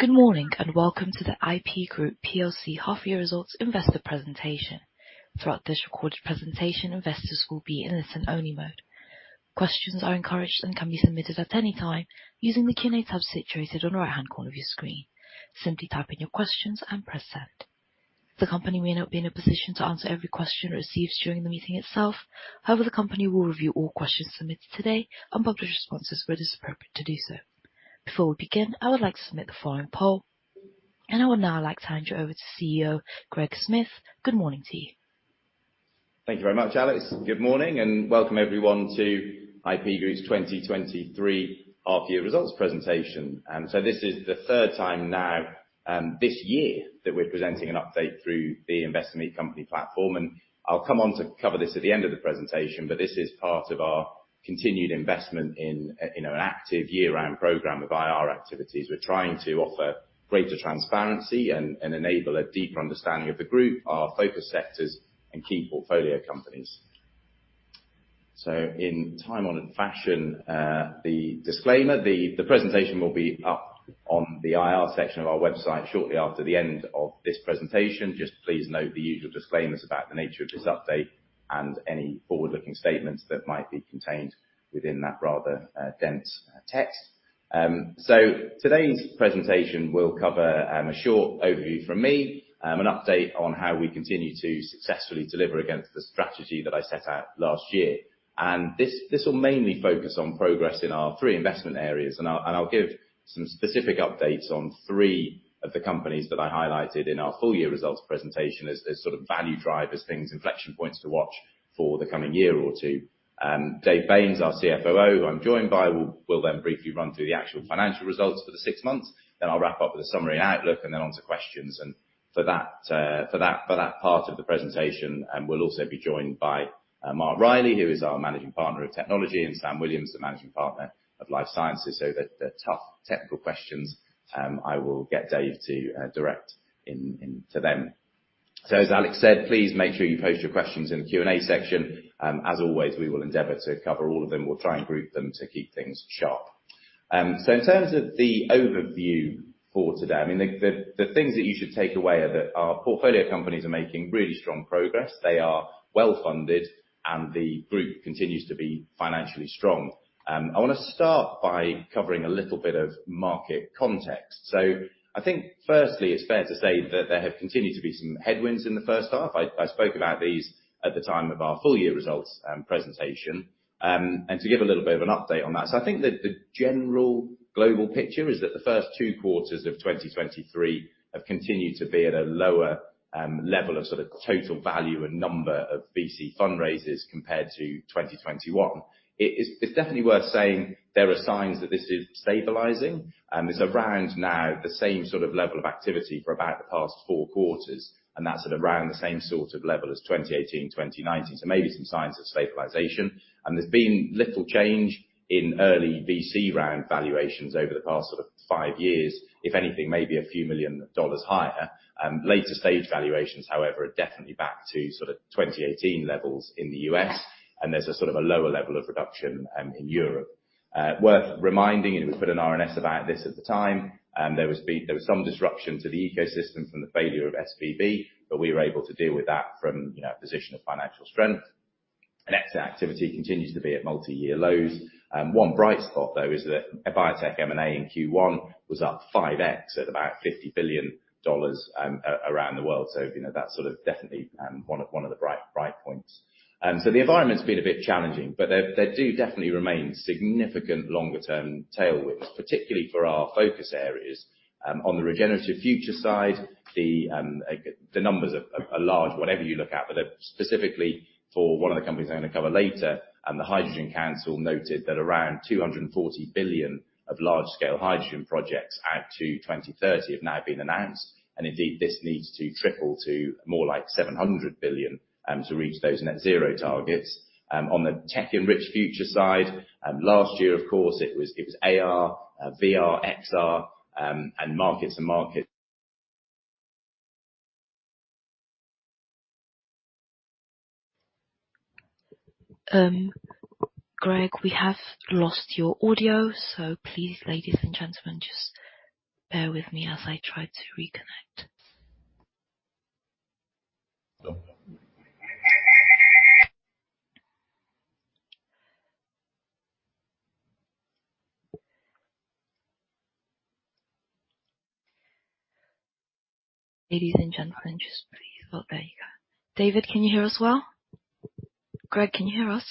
Good morning, welcome to the IP Group plc half-year results investor presentation. Throughout this recorded presentation, investors will be in listen-only mode. Questions are encouraged and can be submitted at any time using the Q&A tab situated on the right-hand corner of your screen. Simply type in your questions and press send. The company may not be in a position to answer every question received during the meeting itself. However, the company will review all questions submitted today and publish responses where it is appropriate to do so. Before we begin, I would like to submit the following poll. I would now like to hand you over to CEO, Greg Smith. Good morning to you. Thank you very much, Alex. Good morning, welcome everyone to IP Group's 2023 half-year results presentation. This is the third time now this year that we're presenting an update through the Investor Meet Company platform, I'll come on to cover this at the end of the presentation, this is part of our continued investment in an active year-round program of IR activities. We're trying to offer greater transparency and, and enable a deeper understanding of the group, our focus sectors and key portfolio companies. In time-honored fashion, the disclaimer, the, the presentation will be up on the IR section of our website shortly after the end of this presentation. Just please note the usual disclaimers about the nature of this update and any forward-looking statements that might be contained within that rather dense text. So today's presentation will cover a short overview from me, an update on how we continue to successfully deliver against the strategy that I set out last year. And this, this will mainly focus on progress in our three investment areas, and I'll, and I'll give some specific updates on three of the companies that I highlighted in our full year results presentation as, as sort of value drivers, things, inflection points to watch for the coming year or two. Dave Baynes, our CFOO, who I'm joined by, will, will then briefly run through the actual financial results for the six months. Then I'll wrap up with a summary and outlook, and then onto questions. For that part of the presentation, we'll also be joined by Mark Reilly, who is our managing partner of technology, and Sam Williams, the managing partner of life sciences. The tough technical questions, I will get Dave to direct into them. As Alex said, please make sure you post your questions in the Q&A section. As always, we will endeavor to cover all of them. We'll try and group them to keep things sharp. In terms of the overview for today, I mean, the things that you should take away are that our portfolio companies are making really strong progress. They are well-funded, and the group continues to be financially strong. I wanna start by covering a little bit of market context. I think firstly, it's fair to say that there have continued to be some headwinds in the first half. I spoke about these at the time of our full year results presentation. To give a little bit of an update on that. I think that the general global picture is that the first two quarters of 2023 have continued to be at a lower level of total value and number of VC fundraisers compared to 2021. It's definitely worth saying there are signs that this is stabilizing, and there's around now the same level of activity for about the past four quarters, and that's at around the same level as 2018, 2019. Maybe some signs of stabilization. There's been little change in early VC round valuations over the past sort of five years. If anything, maybe a few million dollars higher. Later stage valuations, however, are definitely back to sort of 2018 levels in the U.S., and there's a sort of a lower level of reduction in Europe. Worth reminding. We put an RNS about this at the time. There was some disruption to the ecosystem from the failure of SVB, but we were able to deal with that from, you know, a position of financial strength. Exit activity continues to be at multi-year lows. One bright spot, though, is that biotech M&A in Q1 was up 5x at about $50 billion around the world. You know, that's sort of definitely one of, one of the bright, bright points. The environment's been a bit challenging, but there, there do definitely remain significant longer term tailwinds, particularly for our focus areas. On the regenerative future side, the numbers are large whatever you look at, but specifically for one of the companies I'm gonna cover later, the Hydrogen Council noted that around 240 billion of large-scale hydrogen projects out to 2030 have now been announced. Indeed, this needs to triple to more like 700 billion to reach those net zero targets. On the tech-enriched future side, last year, of course, it was AR, VR, XR, markets and market- Greg, we have lost your audio. Please, ladies and gentlemen, just bear with me as I try to reconnect. Ladies and gentlemen, just please. Oh, there you go. David, can you hear us well? Greg, can you hear us?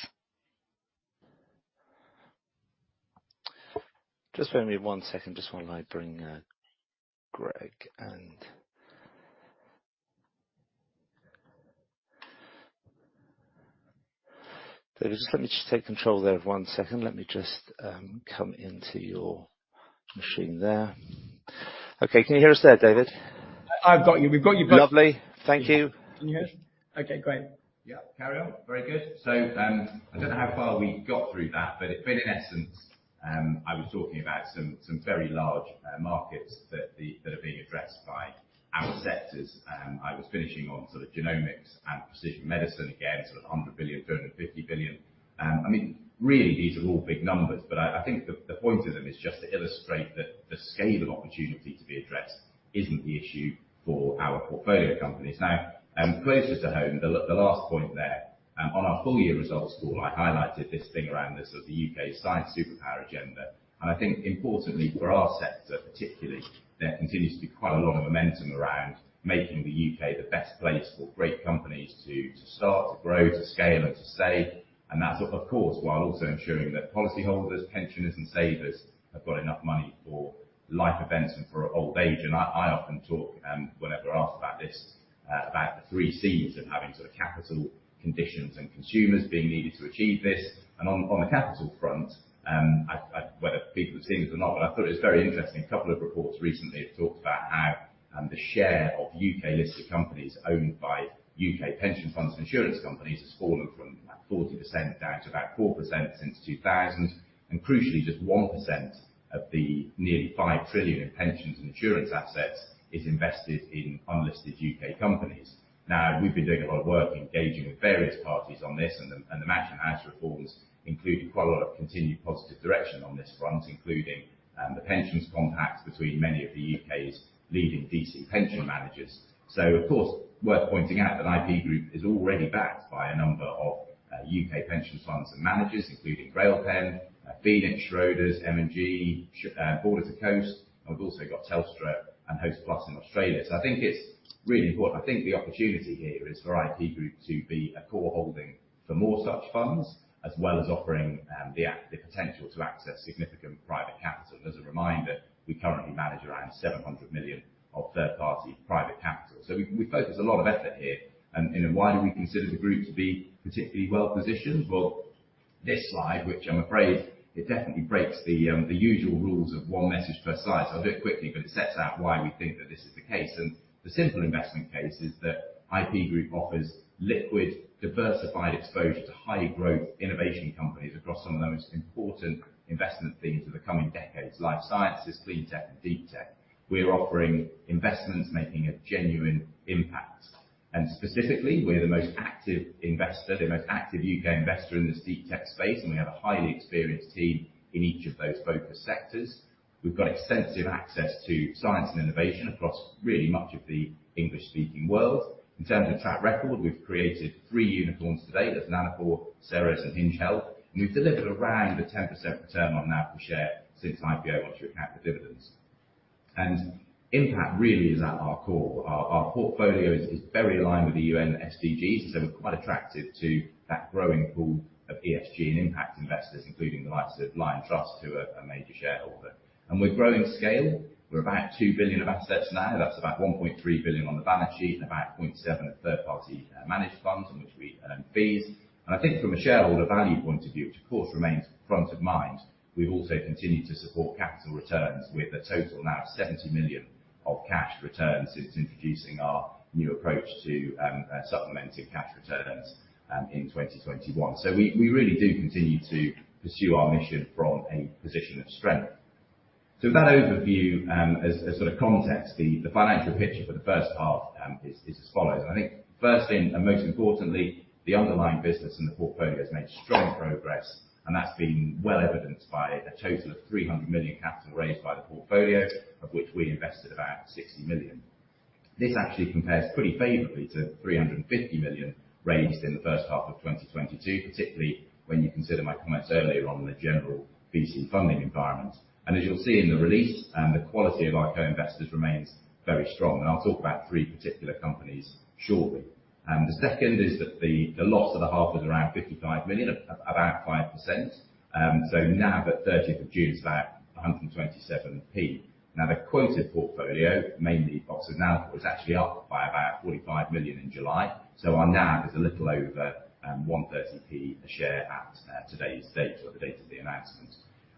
Just bear with me one second. Just while I bring Greg in. David, just let me just take control there for one second. Let me just come into your machine there. Okay, can you hear us there, David? I've got you. We've got you both. Lovely. Thank you. Can you hear us? Okay, great. Yeah. Carry on. Very good. I don't know how far we got through that, but it but in essence, I was talking about some, some very large markets that the, that are being addressed by our sectors, and I was finishing on sort of genomics and precision medicine, again, sort of a 100 billion, 250 billion. I mean, really, these are all big numbers, but I, I think the, the point of them is just to illustrate that the scale of opportunity to be addressed isn't the issue for our portfolio companies. Now, closer to home, the the last point there. On our full year results call, I highlighted this thing around the sort of U.K. science superpower agenda. I think importantly for our sector particularly, there continues to be quite a lot of momentum around making the U.K. the best place for great companies to, to start, to grow, to scale and to stay. That's, of course, while also ensuring that policyholders, pensioners, and savers have got enough money for life events and for old age. I, I often talk whenever asked about this, about the three Cs of having sort of capital, conditions, and consumers being needed to achieve this. On, on the capital front, I, I whether people have seen this or not, but I thought it was very interesting. A couple of reports recently have talked about how the share of U.K.-listed companies owned by U.K. pension funds and insurance companies has fallen from about 40% down to about 4% since 2000. Crucially, just 1% of the nearly 5 trillion in pensions and insurance assets is invested in unlisted U.K. companies. We've been doing a lot of work engaging with various parties on this, and the Mansion House reforms include quite a lot of continued positive direction on this front, including the pensions compact between many of the U.K.'s leading D.C. pension managers. Of course, worth pointing out that IP Group is already backed by a number of U.K. pension funds and managers, including Railpen, Phoenix, Schroders, M&G, Border to Coast, and we've also got Telstra and Hostplus in Australia. I think it's really important. I think the opportunity here is for IP Group to be a core holding for more such funds, as well as offering the potential to access significant private capital. As a reminder, we currently manage around 700 million of third-party private capital. We focus a lot of effort here. You know, why do we consider the group to be particularly well positioned? Well, this slide, which I'm afraid, it definitely breaks the usual rules of one message per slide, so I'll do it quickly, but it sets out why we think that this is the case. The simple investment case is that IP Group offers liquid, diversified exposure to high growth innovation companies across some of the most important investment themes of the coming decades: life sciences, clean tech, and deep tech. We are offering investments making a genuine impact. Specifically, we're the most active investor, the most active U.K. investor in this deep tech space, and we have a highly experienced team in each of those focus sectors. We've got extensive access to science and innovation across really much of the English-speaking world. In terms of track record, we've created three unicorns to date. There's Nanopore, Ceres, and Hinge Health. We've delivered around a 10% return on NAV per share since IPO, once you account for dividends. Impact really is at our core. Our portfolio is very aligned with the UN SDGs, so we're quite attractive to that growing pool of ESG and impact investors, including the likes of Liontrust, who are a major shareholder. We're growing scale. We're about 2 billion of assets now. That's about 1.3 billion on the balance sheet and about 0.7 billion of third-party managed funds in which we earn fees. I think from a shareholder value point of view, which of course remains front of mind, we've also continued to support capital returns with a total now of 70 million of cash returns since introducing our new approach to supplementing cash returns in 2021. We really do continue to pursue our mission from a position of strength. With that overview, as sort of context, the financial picture for the first half is as follows. I think first and, and most importantly, the underlying business and the portfolio has made strong progress, and that's been well evidenced by a total of 300 million capital raised by the portfolio, of which we invested about 60 million. This actually compares pretty favorably to 350 million raised in the first half of 2022, particularly when you consider my comments earlier on the general VC funding environment. As you'll see in the release, the quality of our co-investors remains very strong, and I'll talk about three particular companies shortly. The second is that the, the loss of the half was around 55 million, about 5%. So NAV at 13th of June is about 1.27. Now, the quoted portfolio, mainly Oxford Nanopore, was actually up by about 45 million in July. Our NAV is a little over 1.30 a share at today's date or the date of the announcement.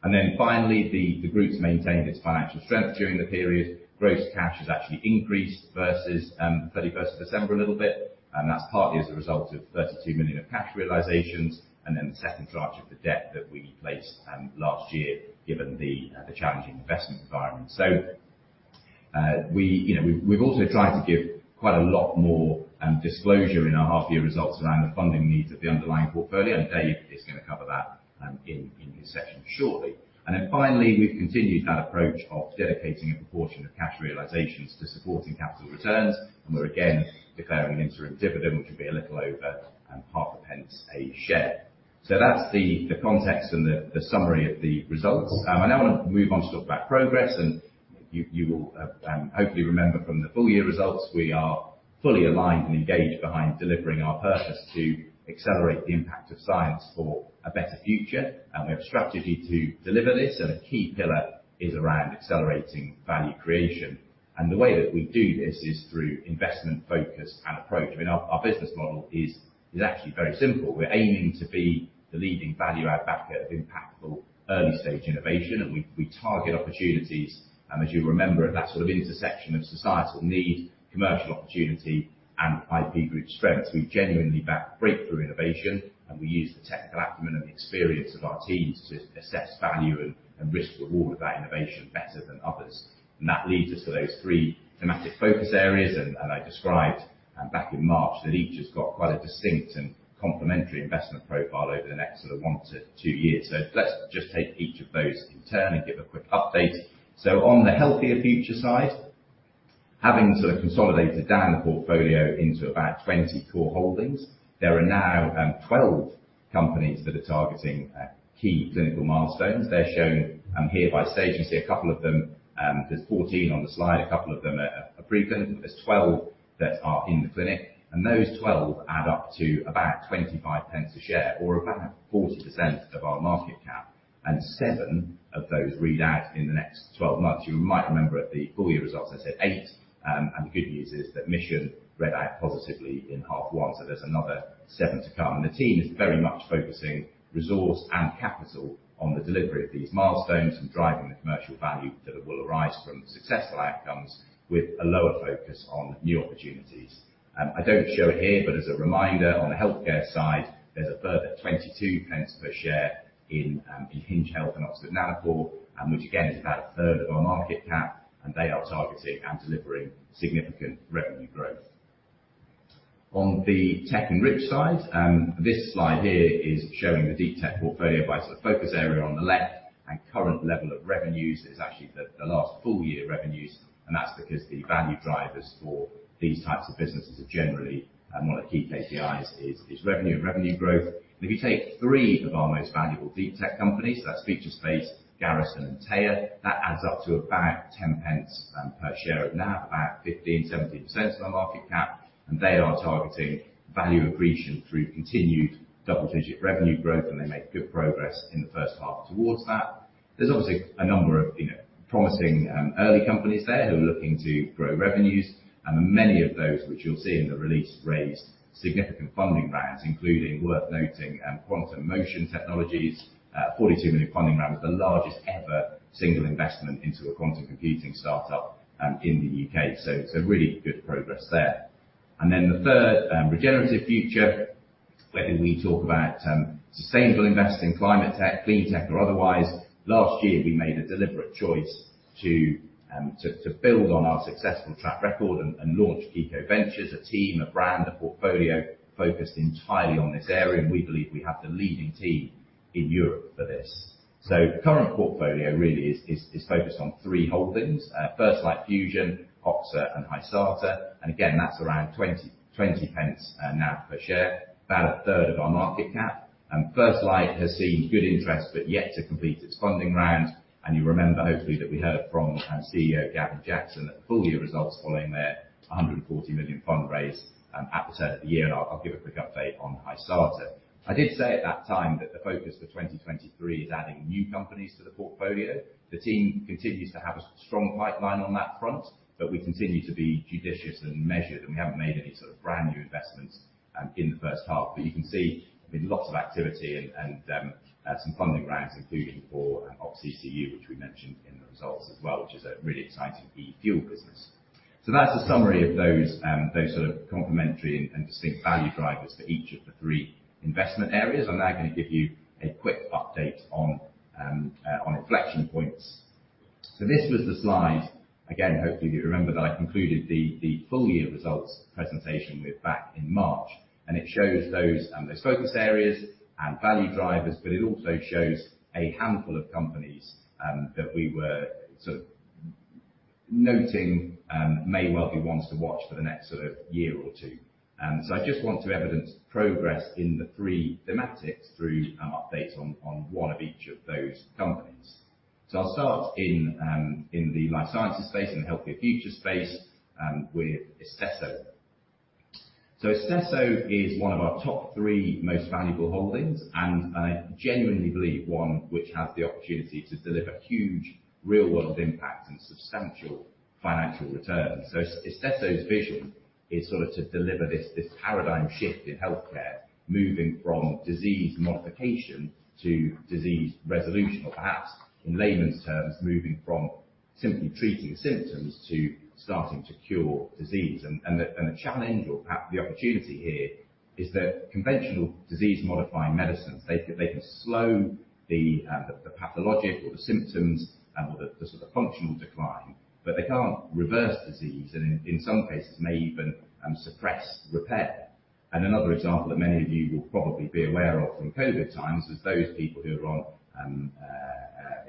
The group's maintained its financial strength during the period. Gross cash has actually increased versus 31st of December a little bit, and that's partly as a result of 32 million of cash realizations, and then the second tranche of the debt that we placed last year, given the challenging investment environment. We, you know, we've, we've also tried to give quite a lot more disclosure in our half year results around the funding needs of the underlying portfolio, and Dave is gonna cover that in his section shortly. We've continued that approach of dedicating a proportion of cash realizations to supporting capital returns. We're again declaring an interim dividend, which will be a little over GBP 0.5 a share. That's the, the context and the, the summary of the results. I now want to move on to talk about progress, and you, you will hopefully remember from the full-year results, we are fully aligned and engaged behind delivering our purpose to accelerate the impact of science for a better future. We have a strategy to deliver this, and a key pillar is around accelerating value creation. The way that we do this is through investment focus and approach. I mean, our, our business model is, is actually very simple. We're aiming to be the leading value add backer of impactful early-stage innovation, we, we target opportunities, as you remember, at that sort of intersection of societal need, commercial opportunity, and IP Group strengths. We genuinely back breakthrough innovation, we use the technical acumen and experience of our teams to assess value and, and risk reward of that innovation better than others. That leads us to those three thematic focus areas. And I described back in March, that each has got quite a distinct and complementary investment profile over the next sort of 1-2 years. Let's just take each of those in turn and give a quick update. On the healthier future side. Having sort of consolidated down the portfolio into about 20 core holdings, there are now 12 companies that are targeting key clinical milestones. They're shown here by stage. You see a couple of them, there's 14 on the slide. A couple of them are pre-clinic, but there's 12 that are in the clinic. Those 12 add up to about 0.25 a share, or about 40% of our market cap, and seven of those read out in the next 12 months. You might remember at the full year results, I said eight, and the good news is that Mission read out positively in half one, so there's another seven to come. The team is very much focusing resource and capital on the delivery of these milestones and driving the commercial value that will arise from successful outcomes with a lower focus on new opportunities. I don't show it here, but as a reminder, on the healthcare side, there's a further 22 pence per share in Hinge Health and Oxford Nanopore, and which again, is about a third of our market cap, and they are targeting and delivering significant revenue growth. On the tech enrich side, this slide here is showing the deep tech portfolio by sort of focus area on the left and current level of revenues is actually the, the last full year revenues, and that's because the value drivers for these types of businesses are generally, and one of the key KPIs is, is revenue and revenue growth. If you take three of our most valuable deep tech companies, that's Featurespace, Garrison, and Teya, that adds up to about 10 pence per share. About 15%-17% of the market cap, and they are targeting value accretion through continued double-digit revenue growth, and they make good progress in the first half towards that. There's obviously a number of, you know, promising early companies there who are looking to grow revenues, and many of those, which you'll see in the release, raised significant funding rounds, including worth noting, Quantum Motion Technologies. 42 million funding round was the largest ever single investment into a quantum computing start-up in the U.K.. It's a really good progress there. Then the third regenerative future, where we talk about sustainable investing, climate tech, clean tech, or otherwise. Last year, we made a deliberate choice to build on our successful track record and launch Kiko Ventures, a team, a brand, a portfolio focused entirely on this area. We believe we have the leading team in Europe for this. The current portfolio really is focused on three holdings. First Light Fusion, Oxa, and Hysata. Again, that's around 0.20 now per share, about a third of our market cap. First Light has seen good interest, but yet to complete its funding round. You remember, hopefully, that we heard from CEO Gavin Jackson at the full year results following their 140 million fundraise at the start of the year. I'll give a quick update on Hysata. I did say at that time that the focus for 2023 is adding new companies to the portfolio. The team continues to have a strong pipeline on that front, but we continue to be judicious and measured, and we haven't made any sort of brand-new investments in the first half. You can see with lots of activity and, and, some funding rounds, including for OXCCU, which we mentioned in the results as well, which is a really exciting e-fuel business. That's a summary of those, those sort of complementary and, and distinct value drivers for each of the three investment areas. I'm now gonna give you a quick update on, on inflection points. This was the slide, again, hopefully you remember, that I concluded the, the full year results presentation with back in March, and it shows those, those focus areas and value drivers, but it also shows a handful of companies, that we were sort of noting, may well be ones to watch for the next sort of year or two. I just want to evidence progress in the three thematics through updates on one of each of those companies. I'll start in, in the life sciences space, in the healthier future space, with Istesso. Istesso is one of our top three most valuable holdings, and I genuinely believe, one, which has the opportunity to deliver huge real-world impact and substantial financial returns. Istesso's vision is sort of to deliver this, this paradigm shift in healthcare, moving from disease modification to disease resolution, or perhaps in layman's terms, moving from simply treating symptoms to starting to cure disease. The challenge, or perhaps the opportunity here, is that conventional disease-modifying medicines, they can, they can slow the pathologic or the symptoms, or the sort of functional decline, but they can't reverse disease, and in some cases may even suppress repair. Another example that many of you will probably be aware of from COVID is those people who are on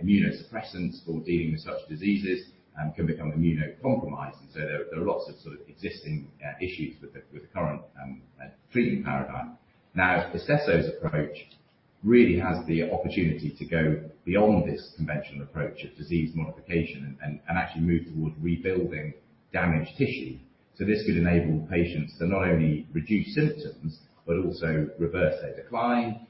immunosuppressants or dealing with such diseases, can become immunocompromised. There are lots of sort of existing issues with the current treatment paradigm. Istesso's approach really has the opportunity to go beyond this conventional approach of disease modification and actually move towards rebuilding damaged tissue. This could enable patients to not only reduce symptoms, but also reverse their decline,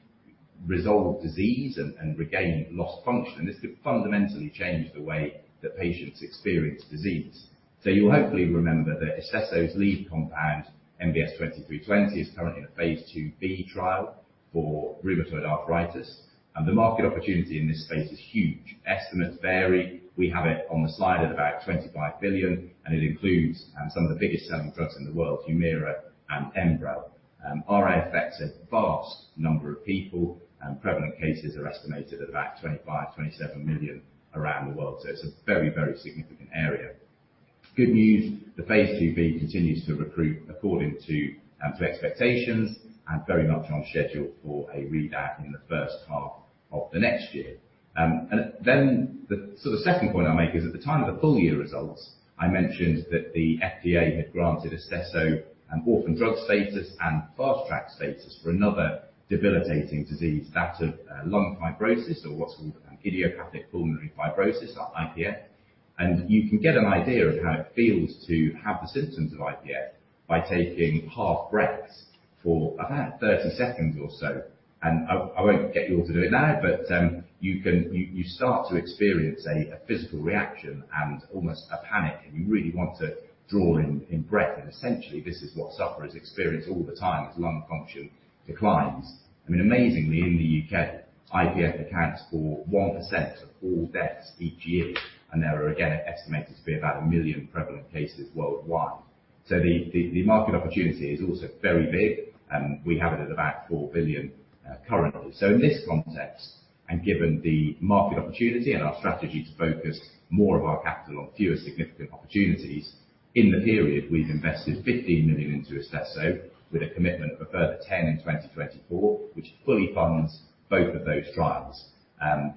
resolve disease and regain lost function. This could fundamentally change the way that patients experience disease. You'll hopefully remember that Istesso's lead compound, MBS2320, is currently in a Phase II-B trial for rheumatoid arthritis, and the market opportunity in this space is huge. Estimates vary. We have it on the slide at about 25 billion, and it includes some of the biggest selling drugs in the world, Humira and Enbrel. RA affects a vast number of people, and prevalent cases are estimated at about 25 million-27 million around the world. It's a very, very significant area. Good news, the Phase II-B continues to recruit according to expectations and very much on schedule for a readout in the first half of the next year. The second point I'll make is, at the time of the full year results, I mentioned that the FDA had granted Istesso an orphan drug status and fast track status for another debilitating disease, that of lung fibrosis, or what's called idiopathic pulmonary fibrosis, IPF. You can get an idea of how it feels to have the symptoms of IPF by taking half breaths for about 30 seconds or so. I, I won't get you all to do it now, but you start to experience a physical reaction and almost a panic, and you really want to draw in, in breath. Essentially, this is what sufferers experience all the time as lung function declines. I mean, amazingly, in the U.K., IPF accounts for 1% of all deaths each year, and there are again, estimated to be about a million prevalent cases worldwide. The market opportunity is also very big, and we have it at about 4 billion currently. In this context, and given the market opportunity and our strategy to focus more of our capital on fewer significant opportunities, in the period, we've invested 15 million into Istesso, with a commitment of a further 10 million in 2024, which fully funds both of those trials.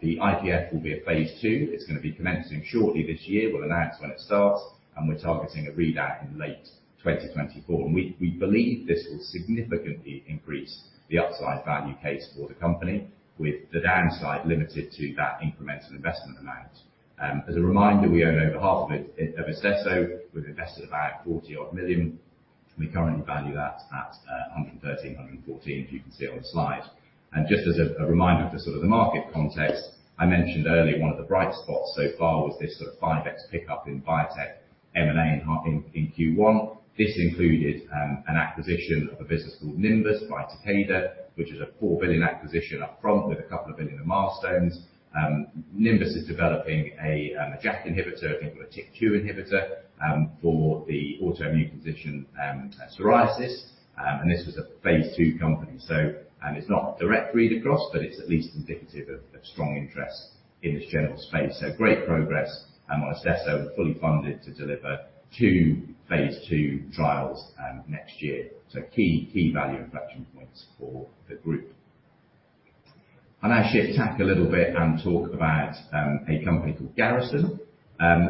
The IPF will be a phase II. It's gonna be commencing shortly this year. We'll announce when it starts, and we're targeting a readout in late 2024. We, we believe this will significantly increase the upside value case for the company, with the downside limited to that incremental investment amount. As a reminder, we own over half of it, of Istesso. We've invested about 40 odd million. We currently value that at 113-114, as you can see on the slide. Just as a, a reminder for sort of the market context, I mentioned earlier, one of the bright spots so far was this sort of 5x pickup in biotech M&A in Q1. This included an acquisition of a business called Nimbus by Takeda Pharmaceutical Company, which is a 4 billion acquisition up front, with a couple of billion of milestones. Nimbus is developing a JAK inhibitor, I think, or a TYK2 inhibitor, for the autoimmune position, psoriasis. This was a phase II company, so, and it's not a direct read across, but it's at least indicative of strong interest in this general space. Great progress. On Istesso, we're fully funded to deliver two phase II trials next year. Key, key value inflection points for the group. I'll now shift tack a little bit and talk about a company called Garrison.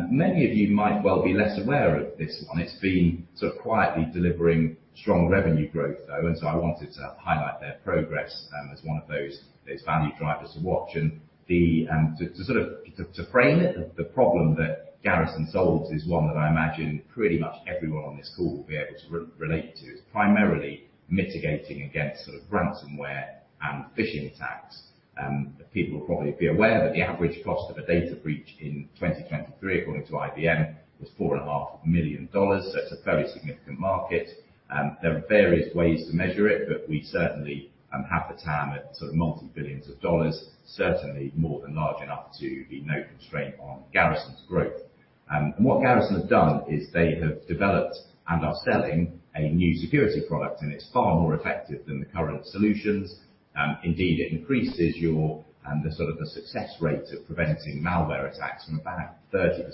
Many of you might well be less aware of this one. It's been sort of quietly delivering strong revenue growth, though, and so I wanted to highlight their progress as one of those, those value drivers to watch. Frame it, the problem that Garrison solves is one that I imagine pretty much everyone on this call will be able to re-relate to. It's primarily mitigating against sort of ransomware and phishing attacks. People will probably be aware that the average cost of a data breach in 2023, according to IBM, was $4.5 million. It's a very significant market, and there are various ways to measure it, but we certainly have the TAM at sort of multi-billions of dollars, certainly more than large enough to be no constraint on Garrison's growth. What Garrison has done is they have developed and are selling a new security product, and it's far more effective than the current solutions. Indeed, it increases your the sort of the success rate of preventing malware attacks from about 30%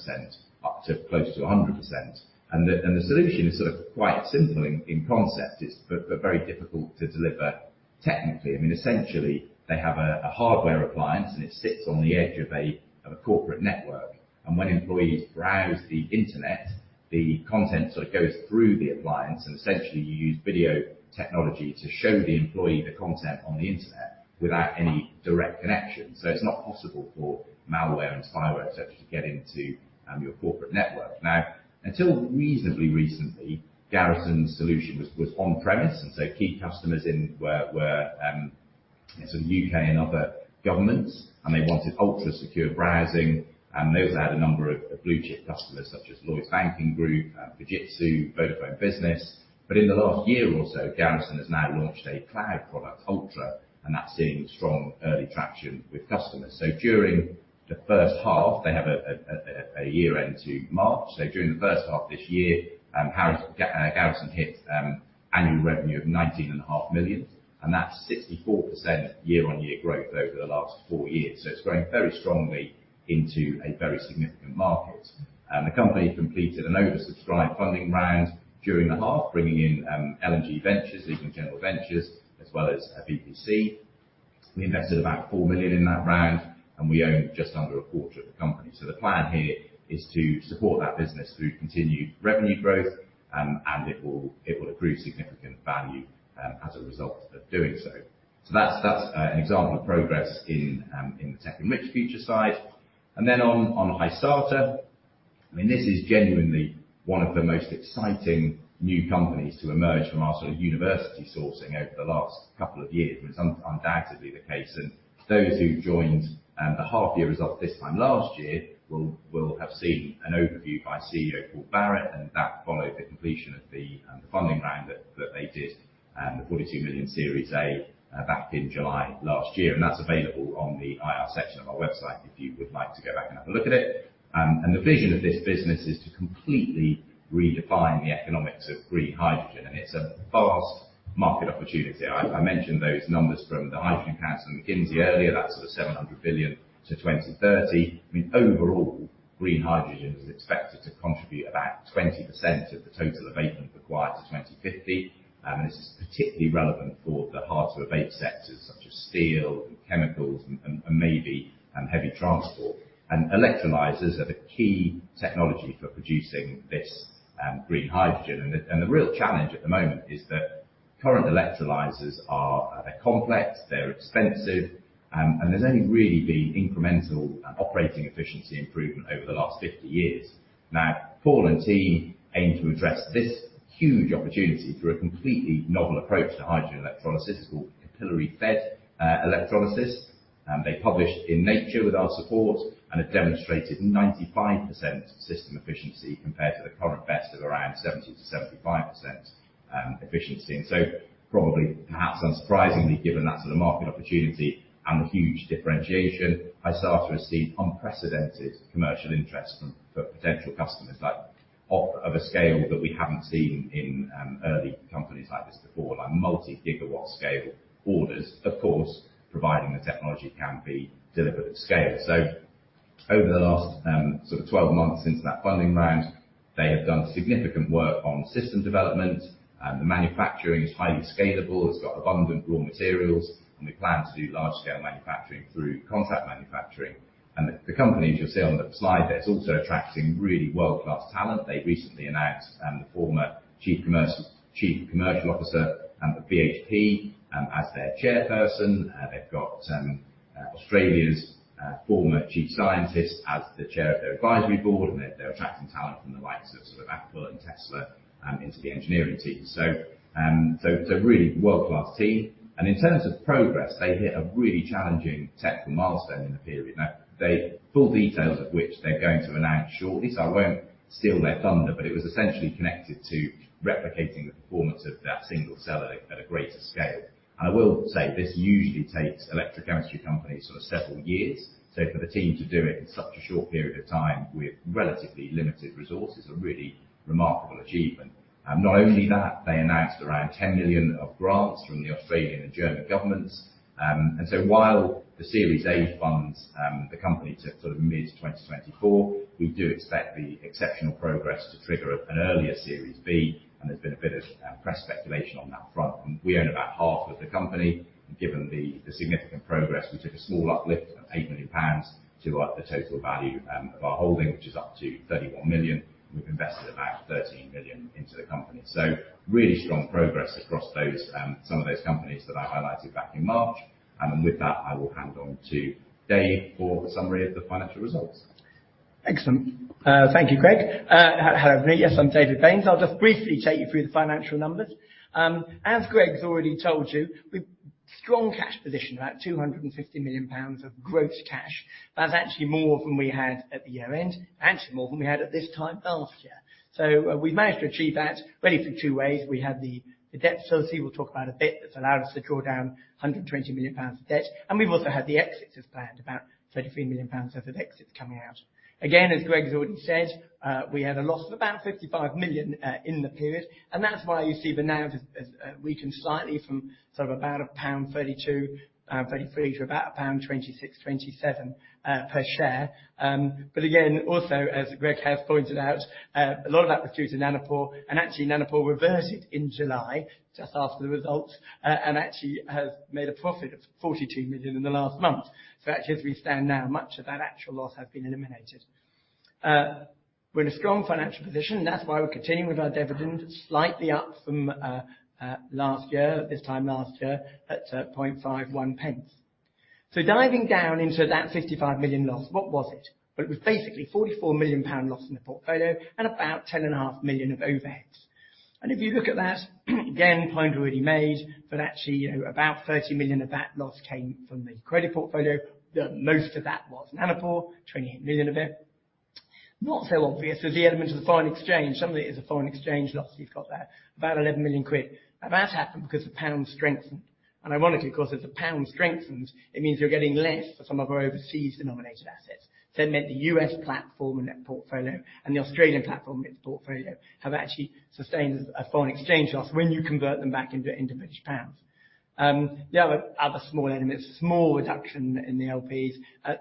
up to close to 100%. The, and the solution is sort of quite simple in, in concept, it's but, but very difficult to deliver technically. I mean, essentially, they have a, a hardware appliance, and it sits on the edge of a, of a corporate network, and when employees browse the internet, the content sort of goes through the appliance, and essentially you use video technology to show the employee the content on the internet without any direct connection. It's not possible for malware and spyware, et cetera, to get into your corporate network. Until reasonably recently, Garrison's solution was on premise, and so key customers in were sort of U.K. and other governments, and they wanted ultra-secured browsing. They also had a number of blue chip customers, such as Lloyds Banking Group, Fujitsu, Vodafone Business. But in the last year or so, Garrison has now launched a cloud product, Ultra, and that's seeing strong early traction with customers. During the first half, they have a year-end to March. During the first half of this year, Garrison hit annual revenue of 19.5 million, and that's 64% year-on-year growth over the last four years. It's growing very strongly into a very significant market. The company completed an oversubscribed funding round during the half, bringing in LMG Ventures, Lincoln General Ventures, as well as BBC. We invested about 4 million in that round, and we own just under a quarter of the company. The plan here is to support that business through continued revenue growth, and it will, it will accrue significant value as a result of doing so. That's, that's an example of progress in the Tech Enrich future side. Then on, on Hysata, I mean, this is genuinely one of the most exciting new companies to emerge from our sort of university sourcing over the last couple of years. It's undoubtedly the case, and those who joined the half year results this time last year will have seen an overview by CEO, Paul Barrett. That followed the completion of the funding round that they did, the 42 million Series A back in July last year. That's available on the IR section of our website if you would like to go back and have a look at it. The vision of this business is to completely redefine the economics of green hydrogen, and it's a vast market opportunity. I mentioned those numbers from the Hydrogen Council and McKinsey earlier. That's 700 billion to 2030. Overall, green hydrogen is expected to contribute about 20% of the total abatement required to 2050, and this is particularly relevant for the harder to abate sectors such as steel and chemicals, and maybe heavy transport. Electrolyzers are the key technology for producing this green hydrogen. The real challenge at the moment is that current electrolyzers are, they're complex, they're expensive, and there's only really been incremental operating efficiency improvement over the last 50 years. Now, Paul and team aim to address this huge opportunity through a completely novel approach to hydrogen electrolysis. It's called capillary-fed electrolysis, and they published in Nature with our support and have demonstrated 95% system efficiency compared to the current best of around 70%-75% efficiency. Probably, perhaps unsurprisingly, given that's the market opportunity and the huge differentiation, Hysata received unprecedented commercial interest for potential customers, like, of a scale that we haven't seen in early companies like this before. Like multi-gigawatt scale orders, of course, providing the technology can be delivered at scale. So over the last, sort of 12 months since that funding round, they have done significant work on system development, and the manufacturing is highly scalable. It's got abundant raw materials, and we plan to do large-scale manufacturing through contract manufacturing. And the, the company, as you'll see on the slide, that's also attracting really world-class talent. They recently announced the former chief commercial officer at BHP as their chairperson. They've got Australia's former chief scientist as the chair of their advisory board, and they're attracting talent from the likes of sort of Apple and Tesla into the engineering team. Really world-class team. In terms of progress, they hit a really challenging technical milestone in the period. Full details of which they're going to announce shortly, so I won't steal their thunder, but it was essentially connected to replicating the performance of that single cell at a greater scale. I will say, this usually takes electrochemistry companies sort of several years. For the team to do it in such a short period of time with relatively limited resources, is a really remarkable achievement. Not only that, they announced around 10 million of grants from the Australian and German governments. While the Series A funds the company to sort of mid 2024, we do expect the exceptional progress to trigger an earlier Series B, and there's been a bit of press speculation on that front. We own about half of the company, and given the significant progress, we took a small uplift of 8 million pounds to the total value of our holding, which is up to 31 million. We've invested about 13 million into the company. Really strong progress across those, some of those companies that I highlighted back in March. With that, I will hand on to Dave for the summary of the financial results. Excellent. Thank you, Greg. Hello, everybody. Yes, I'm David Baynes. I'll just briefly take you through the financial numbers. As Greg's already told you, we've strong cash position, about 250 million pounds of gross cash. That's actually more than we had at the year-end, and more than we had at this time last year. We've managed to achieve that really through two ways. We had the, the debt facility, we'll talk about a bit, that's allowed us to draw down 120 million pounds of debt, and we've also had the exits as planned, about 33 million pounds worth of exits coming out. As Greg has already said, we had a loss of about 55 million in the period, and that's why you see the NAV has, has, weakened slightly from sort of about 1.32-1.33 to about 1.26-1.27 per share. Also as Greg has pointed out, a lot of that was due to Nanopore, and actually, Nanopore reversed in July, just after the results, and actually has made a profit of 42 million in the last month. Actually, as we stand now, much of that actual loss has been eliminated. We're in a strong financial position, and that's why we're continuing with our dividend, slightly up from last year, at this time last year, at 0.51. Diving down into that 55 million loss, what was it? Well, it was basically 44 million pound loss in the portfolio and about 10.5 million of overheads. If you look at that, again, point already made, but actually, you know, about 30 million of that loss came from the credit portfolio. The most of that was Nanopore, 28 million of it. Not so obvious was the element of the foreign exchange. Some of it is a foreign exchange loss. You've got about, about 11 million quid. That happened because the pound strengthened, and ironically, because as the pound strengthens, it means you're getting less for some of our overseas-denominated assets. It meant the U.S. platform net portfolio and the Australian platform net portfolio have actually sustained a foreign exchange loss when you convert them back into, into British pounds. The other, other small elements, small reduction in the LPs,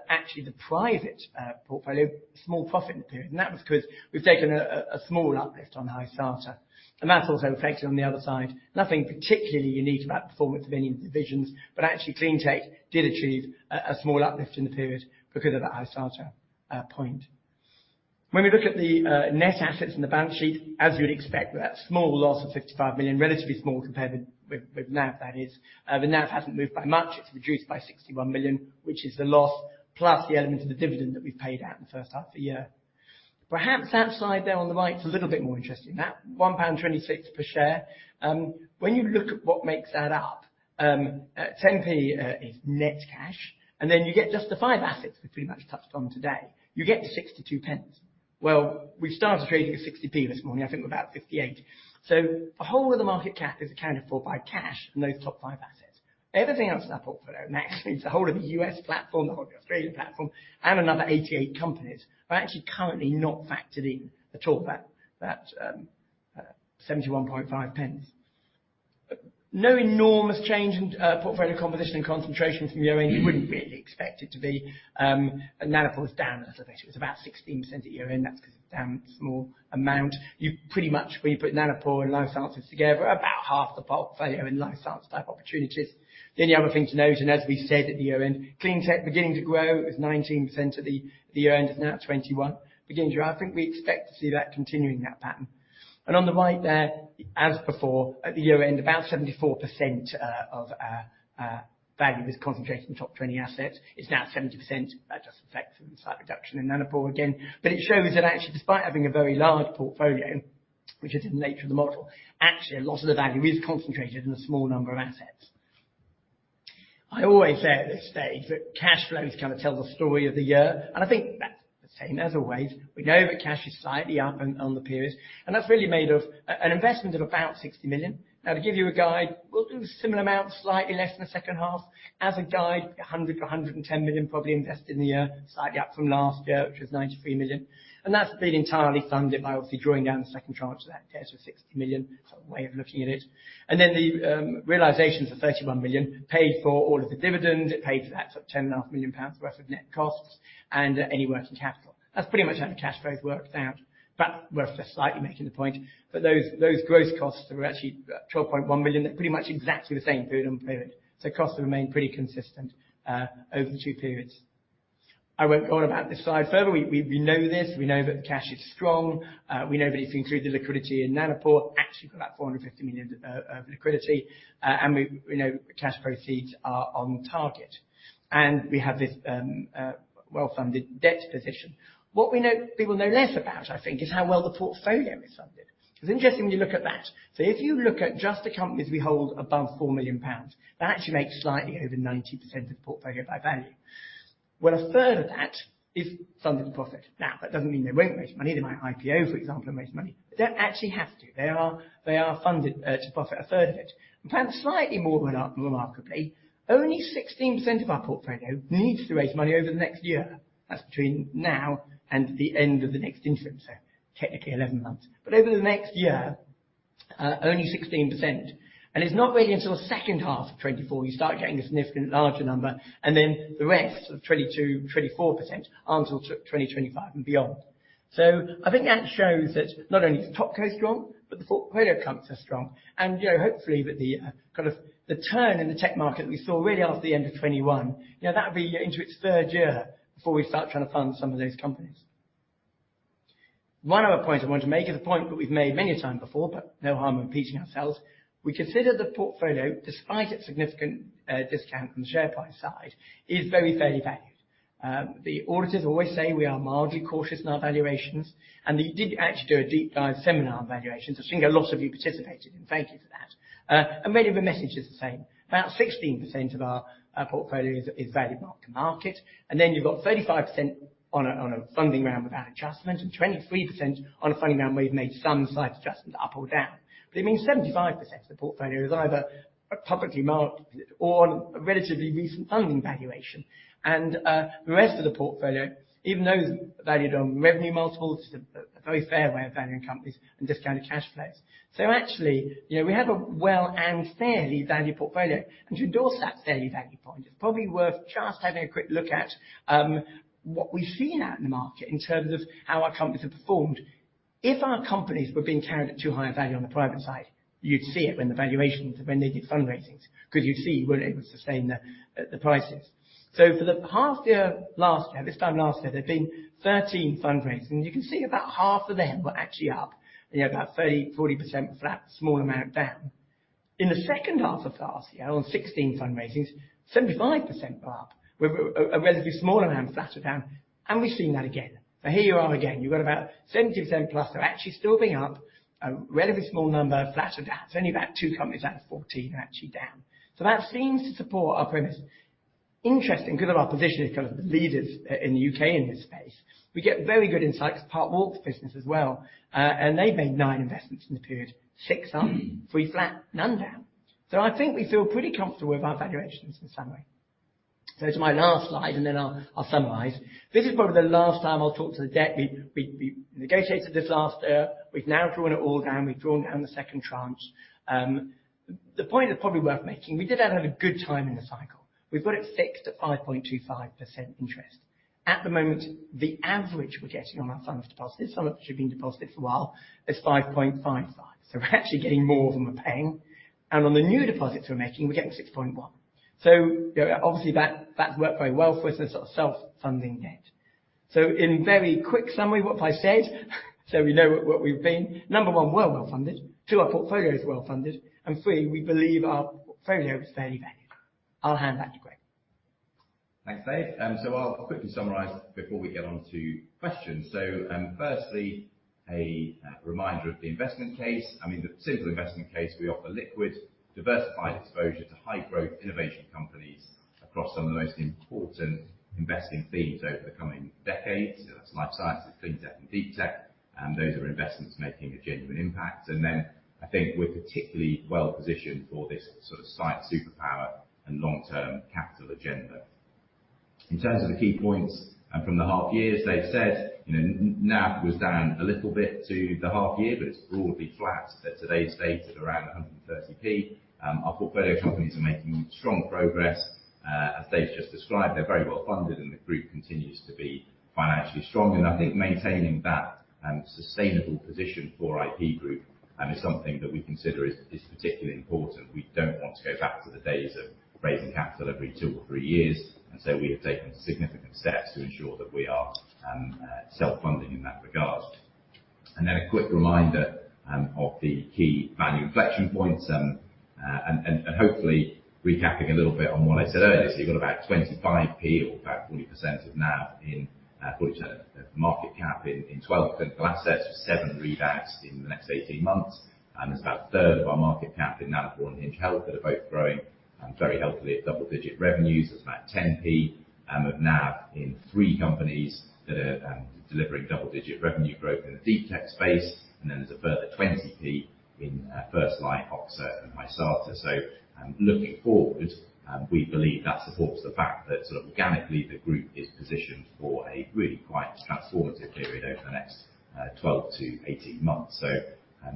actually the private portfolio, small profit in the period, that was 'cause we've taken a small uplift on Hysata, that's also affected on the other side. Nothing particularly unique about the performance of any of the divisions, actually, Cleantech did achieve a small uplift in the period because of that Hysata point. When we look at the net assets in the balance sheet, as you'd expect, that small loss of 55 million, relatively small compared with NAV, that is. The NAV hasn't moved by much. It's reduced by 61 million, which is the loss, plus the element of the dividend that we've paid out in the first half of the year. Perhaps that slide there on the right is a little bit more interesting, that 1.26 pound per share. When you look at what makes that up, 0.10 is net cash, and then you get just the five assets we pretty much touched on today, you get 0.62. Well, we started trading at 0.60 this morning. I think we're about 0.58. The whole of the market cap is accounted for by cash and those top five assets. Everything else in our portfolio, and actually, the whole of the U.S. platform, the whole of the Australian platform, and another 88 companies, are actually currently not factored in at all, 0.715. No enormous change in portfolio composition and concentration from year-end. You wouldn't really expect it to be. Nanopore was down, I think it was about 16% at year-end. That's because it's down a small amount. You pretty much, when you put Nanopore and life sciences together, about half the portfolio in life science type opportunities. The only other thing to note, as we said at the year-end, clean tech beginning to grow, it was 19% at the year-end, it's now 21%, beginning to I think we expect to see that continuing, that pattern. On the right there, as before, at the year-end, about 74% of our value was concentrated in the top 20 assets. It's now 70%. That just affects them, a slight reduction in Nanopore again. It shows that actually, despite having a very large portfolio, which is the nature of the model, actually, a lot of the value is concentrated in a small number of assets. I always say at this stage that cash flows kind of tell the story of the year, and I think that's the same as always. We know that cash is slightly up on, on the period, and that's really made of an investment of about 60 million. Now, to give you a guide, we'll do a similar amount, slightly less in the second half. As a guide, 100 million-110 million, probably invested in the year, slightly up from last year, which was 93 million, and that's been entirely funded by obviously drawing down the second tranche of that case for 60 million. It's a way of looking at it. The realization for 31 million paid for all of the dividends, it paid for that 10.5 million pounds worth of net costs and any working capital. That's pretty much how the cash flow worked out, worth just slightly making the point. Those, those gross costs were actually 12.1 million. They're pretty much exactly the same period on period. Costs have remained pretty consistent over the two periods. I won't go on about this slide further. We know this. We know that the cash is strong. We know that if you include the liquidity in Nanopore, actually got about 450 million of liquidity, and we know cash proceeds are on target. We have this well-funded debt position. What we know, people know less about, I think, is how well the portfolio is funded. It's interesting when you look at that. If you look at just the companies we hold above 4 million pounds, that actually makes slightly over 90% of the portfolio by value. A third of that is funded profit. That doesn't mean they won't raise money. They might IPO, for example, and raise money. They don't actually have to. They are, they are funded to profit a third of it. In fact, slightly more remarkably, only 16% of our portfolio needs to raise money over the next year. That's between now and the end of the next interim, so technically 11 months. Over the next year, only 16%. It's not really until the second half of 2024, you start getting a significant larger number, then the rest of 22%-24% aren't until 2025 and beyond. I think that shows that not only is the top co strong, but the portfolio companies are strong, and, you know, hopefully, with the kind of the turn in the tech market we saw really after the end of 2021, you know, that'll be into its third year before we start trying to fund some of those companies. One other point I wanted to make is a point that we've made many a time before, but no harm in repeating ourselves. We consider the portfolio, despite its significant discount from the share price side, is very fairly valued. The auditors always say we are mildly cautious in our valuations, and we did actually do a deep dive seminar on valuations. I think a lot of you participated, and thank you for that. Many of the message is the same. About 16% of our portfolio is, is valued mark to market, and then you've got 35% on a, on a funding round without adjustment, and 23% on a funding round where we've made some slight adjustments up or down. It means 75% of the portfolio is either a publicly marked or a relatively recent funding valuation. The rest of the portfolio, even those valued on revenue multiples, a very fair way of valuing companies and discounted cash flows. Actually, you know, we have a well and fairly valued portfolio, and to endorse that fairly value point, it's probably worth just having a quick look at what we've seen out in the market in terms of how our companies have performed. If our companies were being carried at too high a value on the private side, you'd see it when the valuations, when they did fundraisings, because you'd see, were they able to sustain the prices. For the past year, last year, this time last year, there have been 13 fundraisings. You can see about half of them were actually up, you know, about 30%, 40% flat, small amount down. In the second half of last year, on 16 fundraisings, 75% were up, with a, a relatively small amount, flatter down, and we've seen that again. Here you are again. You've got about 70% plus are actually still being up, a relatively small number, flatter down. It's only about two companies out of 14 are actually down. That seems to support our premise. Interesting, because of our position as kind of the leaders in the U.K. in this space, we get very good insights as part of Walker's business as well. And they made nine investments in the period, six up, three flat, none down. I think we feel pretty comfortable with our valuations in summary. To my last slide, and then I'll, I'll summarize. This is probably the last time I'll talk to the debt. We negotiated this last, we've now drawn it all down. We've drawn down the second tranche. The point that's probably worth making, we did have a good time in the cycle. We've got it fixed at 5.25% interest. At the moment, the average we're getting on our funds deposits, some of which have been deposited for a while, is 5.55. We're actually getting more than we're paying. On the new deposits we're making, we're getting 6.1. Obviously, that's worked very well for us, and sort of self-funding debt. In very quick summary, what have I said? We know what we've been, number one, we're well-funded, two, our portfolio is well-funded, and three, we believe our portfolio is fairly valued. I'll hand back to Greg. Thanks, Dave. I'll quickly summarize before we get on to questions. Firstly, a reminder of the investment case. I mean, the simple investment case, we offer liquid, diversified exposure to high-growth innovation companies across some of the most important investing themes over the coming decades. That's life sciences, clean tech, and deep tech, and those are investments making a genuine impact. I think we're particularly well-positioned for this sort of site, superpower and long-term capital agenda. In terms of the key points, from the half year, as Dave said, you know, NAV was down a little bit to the half year, but it's broadly flat at today's date of around 130p. Our portfolio companies are making strong progress, as Dave just described. They're very well funded, and the group continues to be financially strong. I think maintaining that sustainable position for IP Group is something that we consider is particularly important. We don't want to go back to the days of raising capital every two or three years, so we have taken significant steps to ensure that we are self-funding in that regard. A quick reminder of the key value inflection points, and hopefully recapping a little bit on what I said earlier. You've got about 25p or about 40% of NAV in portfolio, market cap in 12 clinical assets with seven readouts in the next 18 months. There's about a third of our market cap in NAV in Hinge Health, that are both growing very healthily at double-digit revenues. There's about 10p of NAV in three companies that are delivering double-digit revenue growth in the deep tech space, and then there's a further 20p in First Light, Oxa, and Metsera. Looking forward, we believe that supports the fact that sort of organically, the group is positioned for a really quite transformative period over the next 12-18 months.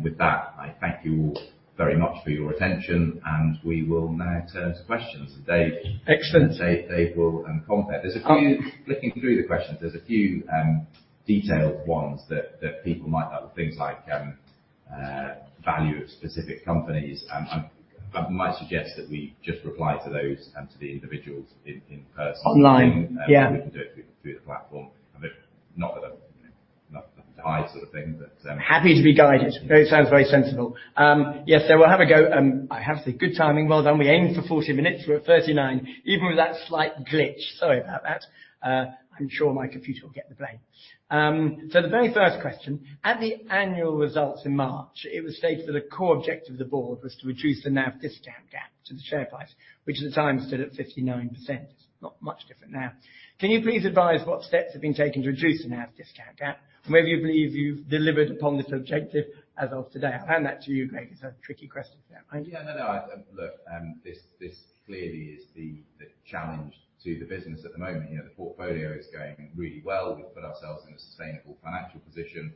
With that, I thank you all very much for your attention, and we will now turn to questions with Dave. Excellent. Dave, Dave will comment there. Flicking through the questions, there's a few detailed ones that people might have. Things like value of specific companies, I might suggest that we just reply to those and to the individuals in person. Online. Yeah, we can do it through, through the platform. I mean, not that I'm, not to hide sort of thing, but. Happy to be guided. It sounds very sensible. Yes, we'll have a go. I have to say, good timing, well done. We aimed for 40 minutes, we're at 39, even with that slight glitch. Sorry about that. I'm sure my computer will get the blame. The very first question: At the annual results in March, it was stated that a core objective of the board was to reduce the NAV discount gap to the share price, which at the time stood at 59%. It's not much different now. Can you please advise what steps have been taken to reduce the NAV discount gap, and whether you believe you've delivered upon this objective as of today? I'll hand that to you, Greg. It's a tricky question for that one. Yeah, no, no. Look, this, this clearly is the, the challenge to the business at the moment. You know, the portfolio is going really well. We've put ourselves in a sustainable financial position.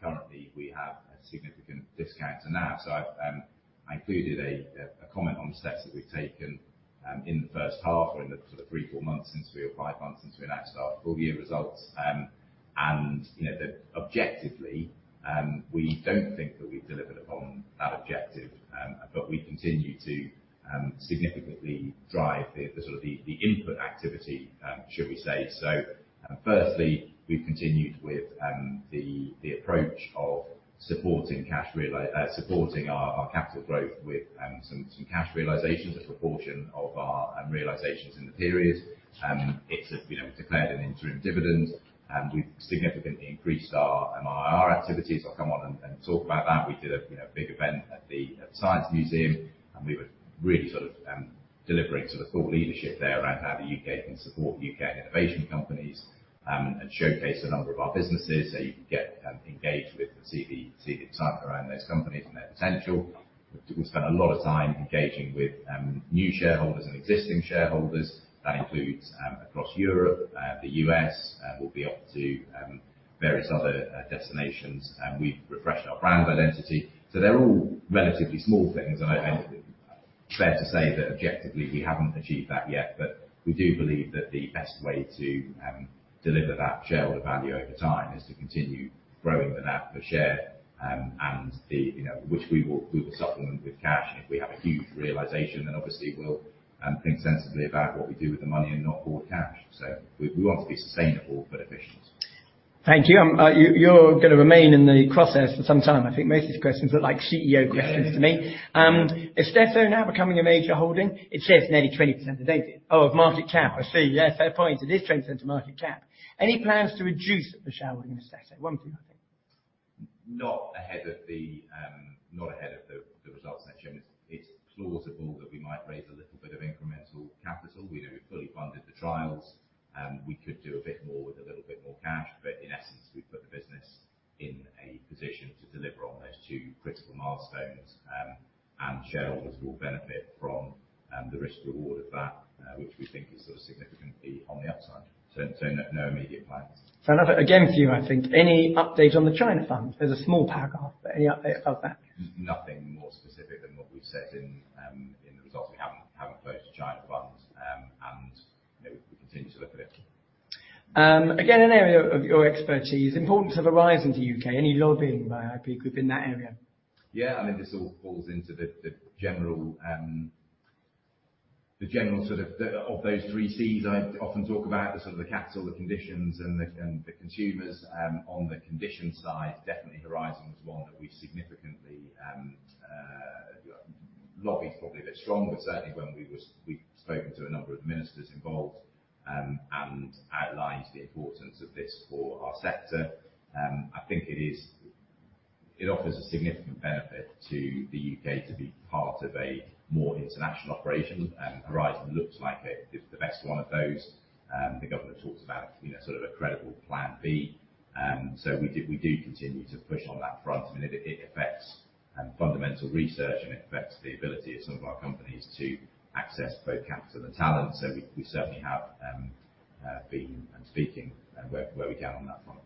Currently, we have a significant discount to NAV. I included a comment on the steps that we've taken in the first half or in the sort of three, four months, since we are five months since we announced our full year results. You know, that objectively, we don't think that we've delivered upon that objective. We continue to significantly drive the, the sort of the, the input activity, should we say. Firstly, we've continued with the approach of supporting our capital growth with some cash realizations, a proportion of our realizations in the period. It's, you know, declared an interim dividend, and we've significantly increased our IR activities. I'll come on and talk about that. We did a, you know, big event at the Science Museum, and we were really sort of delivering sort of thought leadership there around how the U.K. can support U.K. innovation companies. And showcased a number of our businesses, so you can get engaged with the CD, CD type around those companies and their potential. We spent a lot of time engaging with new shareholders and existing shareholders. That includes across Europe, the U.S., we'll be off to various other destinations, and we've refreshed our brand identity. They're all relatively small things, and I think it's fair to say that objectively we haven't achieved that yet. We do believe that the best way to deliver that shareholder value over time is to continue growing the NAV per share, and the, you know, which we will, we will supplement with cash. If we have a huge realization, then obviously we'll think sensibly about what we do with the money and not all cash. We, we want to be sustainable but efficient. Thank you. You're gonna remain in the crosshairs for some time. I think most of these questions look like CEO questions to me. Yeah. Is Istesso now becoming a major holding? It says nearly 20% of data. Oh, of market cap. I see. Yes, fair point. It is 20% of market cap. Any plans to reduce the shareholding in Istesso? One thing. Not ahead of the, not ahead of the, the results next year. It's, it's plausible that we might raise a little bit of incremental capital. We know we've fully funded the trials, and we could do a bit more with a little bit more cash, but in essence, we've put the business in a position to deliver on those two critical milestones. Shareholders will benefit from the risk to award of that, which we think is sort of significantly on the upside. No, no immediate plans. Another, again for you, I think. Any update on the China fund? There's a small paragraph, but any update above that? Nothing more specific than what we've said in the results. We haven't, haven't closed the China funds, and, you know, we continue to look at it. Again, an area of your expertise, importance of Horizon to U.K., any lobbying by IP Group in that area? Yeah, I mean, this all falls into the, the general, the general sort of, the, of those three Cs I often talk about, the sort of the capital, the conditions, and the, and the consumers. On the conditions side, definitely Horizon is one that we've significantly, lobby is probably a bit strong, but certainly when we've spoken to a number of ministers involved, and outlined the importance of this for our sector. I think it offers a significant benefit to the U.K. to be part of a more international operation, and Horizon looks like it is the best one of those. The government talks about, you know, sort of a credible plan B. We do, we do continue to push on that front, and it, it affects fundamental research, and it affects the ability of some of our companies to access both capital and talent. We, we certainly have been speaking where, where we can on that front.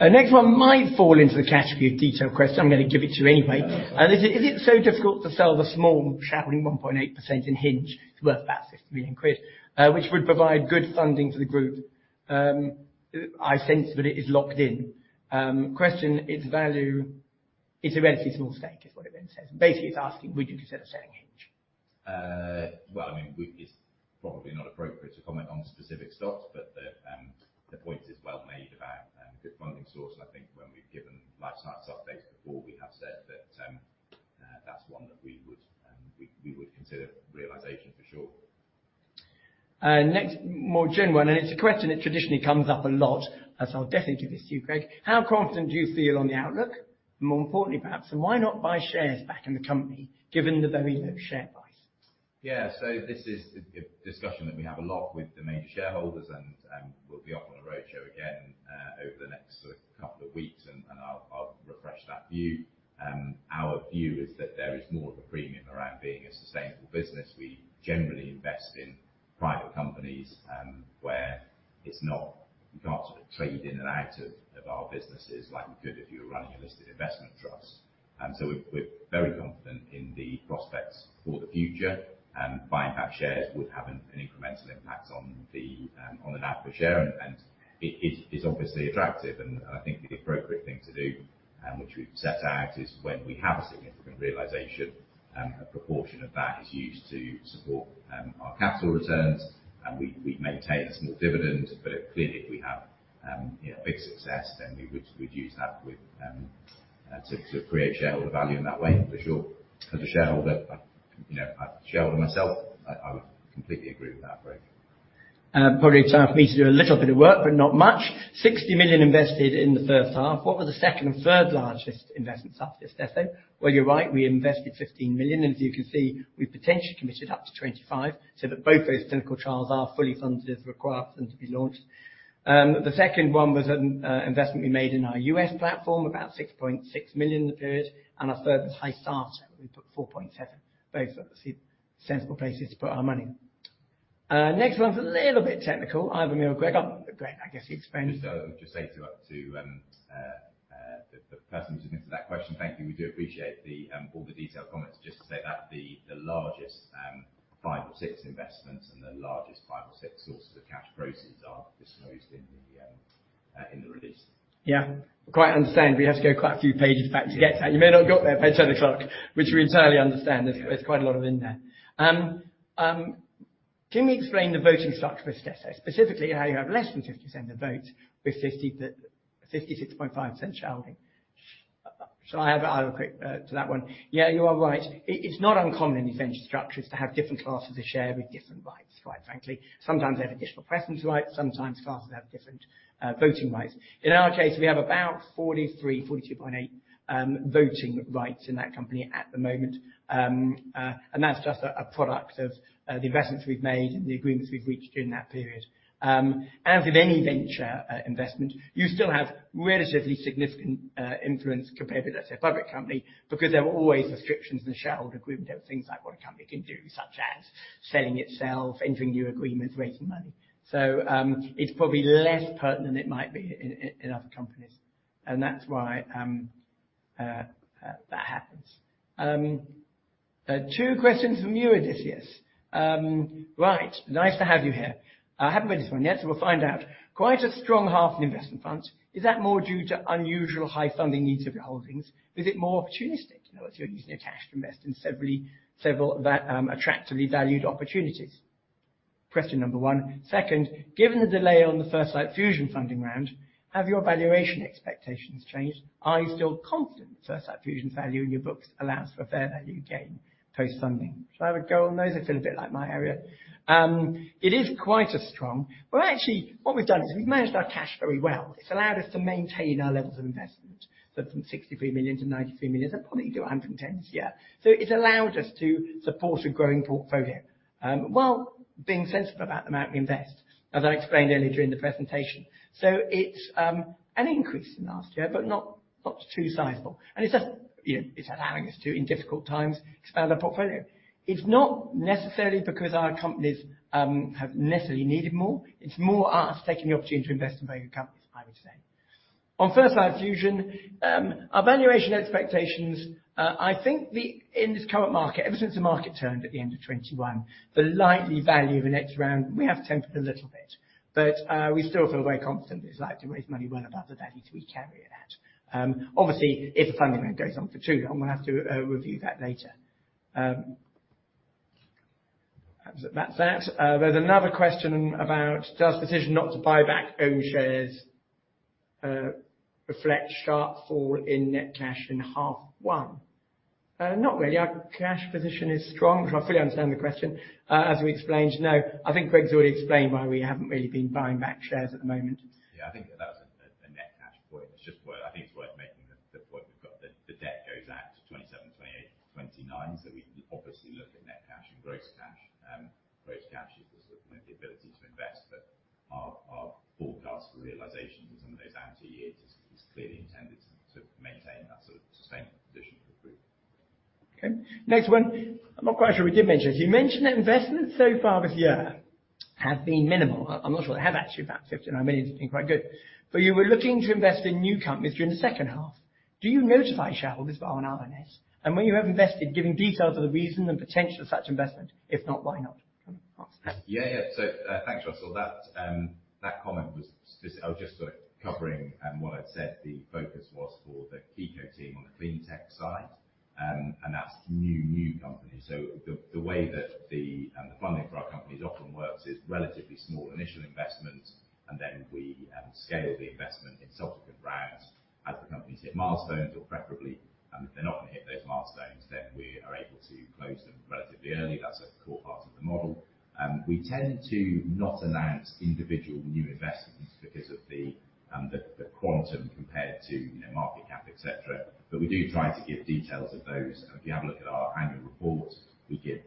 Next one might fall into the category of detail question. I'm gonna give it to you anyway. Is it, is it so difficult to sell the small sharing 1.8% in Hinge? It's worth about 60 million quid, which would provide good funding for the group. I sense that it is locked in. Question, its value is a relatively small stake, is what it then says. Basically, he's asking, would you consider selling Hinge? Well, I mean, we, it's probably not appropriate to comment on specific stocks, but the point is well made about good funding source. I think when we've given lifestyle updates before, we have said that that's one that we would, we, we would consider realization for sure. Next more general, and it's a question that traditionally comes up a lot, and so I'll definitely give this to you, Greg. How confident do you feel on the outlook? More importantly, perhaps, and why not buy shares back in the company, given the very low share price? This is a discussion that we have a lot with the main shareholders, and we'll be off on the roadshow again over the next sort of couple of weeks, I'll refresh that view. Our view is that there is more of a premium around being a sustainable business. We generally invest in private companies, where you can't sort of trade in and out of our businesses like you could if you were running a listed investment trust. We're very confident in the prospects for the future, and buying back shares would have an incremental impact on the net per share. And it is, is obviously attractive, and, and I think the appropriate thing to do, which we've set out, is when we have a significant realization, a proportion of that is used to support, our capital returns, and we, we maintain a small dividend. Clearly, if we have, you know, a big success, then we would, we'd use that with, to, to create shareholder value in that way for sure. As a shareholder, I, you know, I'm a shareholder myself, I, I would completely agree with that approach. Probably time for me to do a little bit of work, but not much. 60 million invested in the first half. What were the second and third largest investment opportunities, Esther? You're right, we invested 15 million, and as you can see, we potentially committed up to 25 million, so that both those clinical trials are fully funded as required for them to be launched. The second one was an investment we made in our U.S. platform, about 6.6 million in the period, and our third was Hysata, we put 4.7 million. Both obviously sensible places to put our money. Next one's a little bit technical. Either me or Greg. Greg, I guess you explain. Just, just say to, up to, the person who submitted that question, thank you. We do appreciate the, all the detailed comments. Just to say that the largest five or six investments and the largest five or six sources of cash proceeds are disclosed in the release. Yeah. Quite understand, we have to go quite a few pages back to get that. You may not have got there by 10:00 A.M., which we entirely understand. Yeah. There's, there's quite a lot of in there. Can we explain the voting structure for Istesso, specifically, how you have less than 50% of the votes with 50%-56.5% sharing? Shall I have a quick to that one? Yeah, you are right. It, it's not uncommon in venture structures to have different classes of share with different rights, quite frankly. Sometimes they have additional presence rights, sometimes classes have different voting rights. In our case, we have about 43, 42.8 voting rights in that company at the moment. And that's just a product of the investments we've made and the agreements we've reached during that period. As with any venture investment, you still have relatively significant influence compared with, let's say, a public company, because there are always restrictions in the shareholder agreement of things like what a company can do, such as selling itself, entering new agreements, raising money. It's probably less pertinent than it might be in other companies, and that's why that happens. Two questions from you, Odysseus. Right. Nice to have you here. I haven't read this one yet, so we'll find out. Quite a strong half in investment funds. Is that more due to unusual high funding needs of your holdings, or is it more opportunistic? You know, if you're using your cash to invest in several attractively valued opportunities. Question number one. Second, given the delay on the First Light Fusion funding round, have your valuation expectations changed? Are you still confident First Light Fusion's value in your books allows for a fair value gain post-funding? Should I have a go on those? I feel a bit like my area. It is quite as strong. Well, actually, what we've done is we've managed our cash very well. It's allowed us to maintain our levels of investment, so from 63 million to 93 million, I probably do 110 million this year. It's allowed us to support a growing portfolio while being sensible about the amount we invest, as I explained earlier during the presentation. It's an increase from last year, but not, not too sizable. It's just, you know, it's allowing us to, in difficult times, expand our portfolio. It's not necessarily because our companies have necessarily needed more. It's more us taking the opportunity to invest in bigger companies, I would say. On First Light Fusion, our valuation expectations, I think in this current market, ever since the market turned at the end of 2021, the likely value of the next round, we have tempered a little bit, but we still feel very confident it's likely to raise money well above the value that we carry it at. Obviously, if the funding round goes on for too long, we'll have to review that later. That's that. There's another question about, does decision not to buy back own shares reflect sharp fall in net cash in half one? Not really. Our cash position is strong, but I fully understand the question. As we explained, no, I think Greg's already explained why we haven't really been buying back shares at the moment. Yeah, I think that was a net cash point. I think it's worth making the point we've got, the debt goes out to 2027, 2028, 2029. We obviously look at net cash and gross cash. Gross cash is the sort of the ability to invest, but our forecast for realization in some of those out years is clearly intended to maintain that sort of sustainable position for the group. Okay, next one. I'm not quite sure we did mention it. You mentioned that investments so far this year have been minimal. I'm not sure they have actually, about 59 million has been quite good. You were looking to invest in new companies during the second half. Do you notify shareholders by an RNS, and when you have invested, giving details of the reason and potential of such investment? If not, why not? Yeah, yeah. Thanks, Russell. That comment was I was just sort of covering what I'd said the focus was for the Kiko team on the clean tech side, and that's new, new companies. The, the way that the funding for our companies often works is relatively small initial investments, and then we scale the investment in subsequent rounds as the companies hit milestones, or preferably, if they're not going to hit those milestones, then we are able to close them relatively early. That's a core part of the model. We tend to not announce individual new investments because of the, the, the quantum compared to, you know, market cap, et cetera. We do try to give details of those. If you have a look at our annual report, we give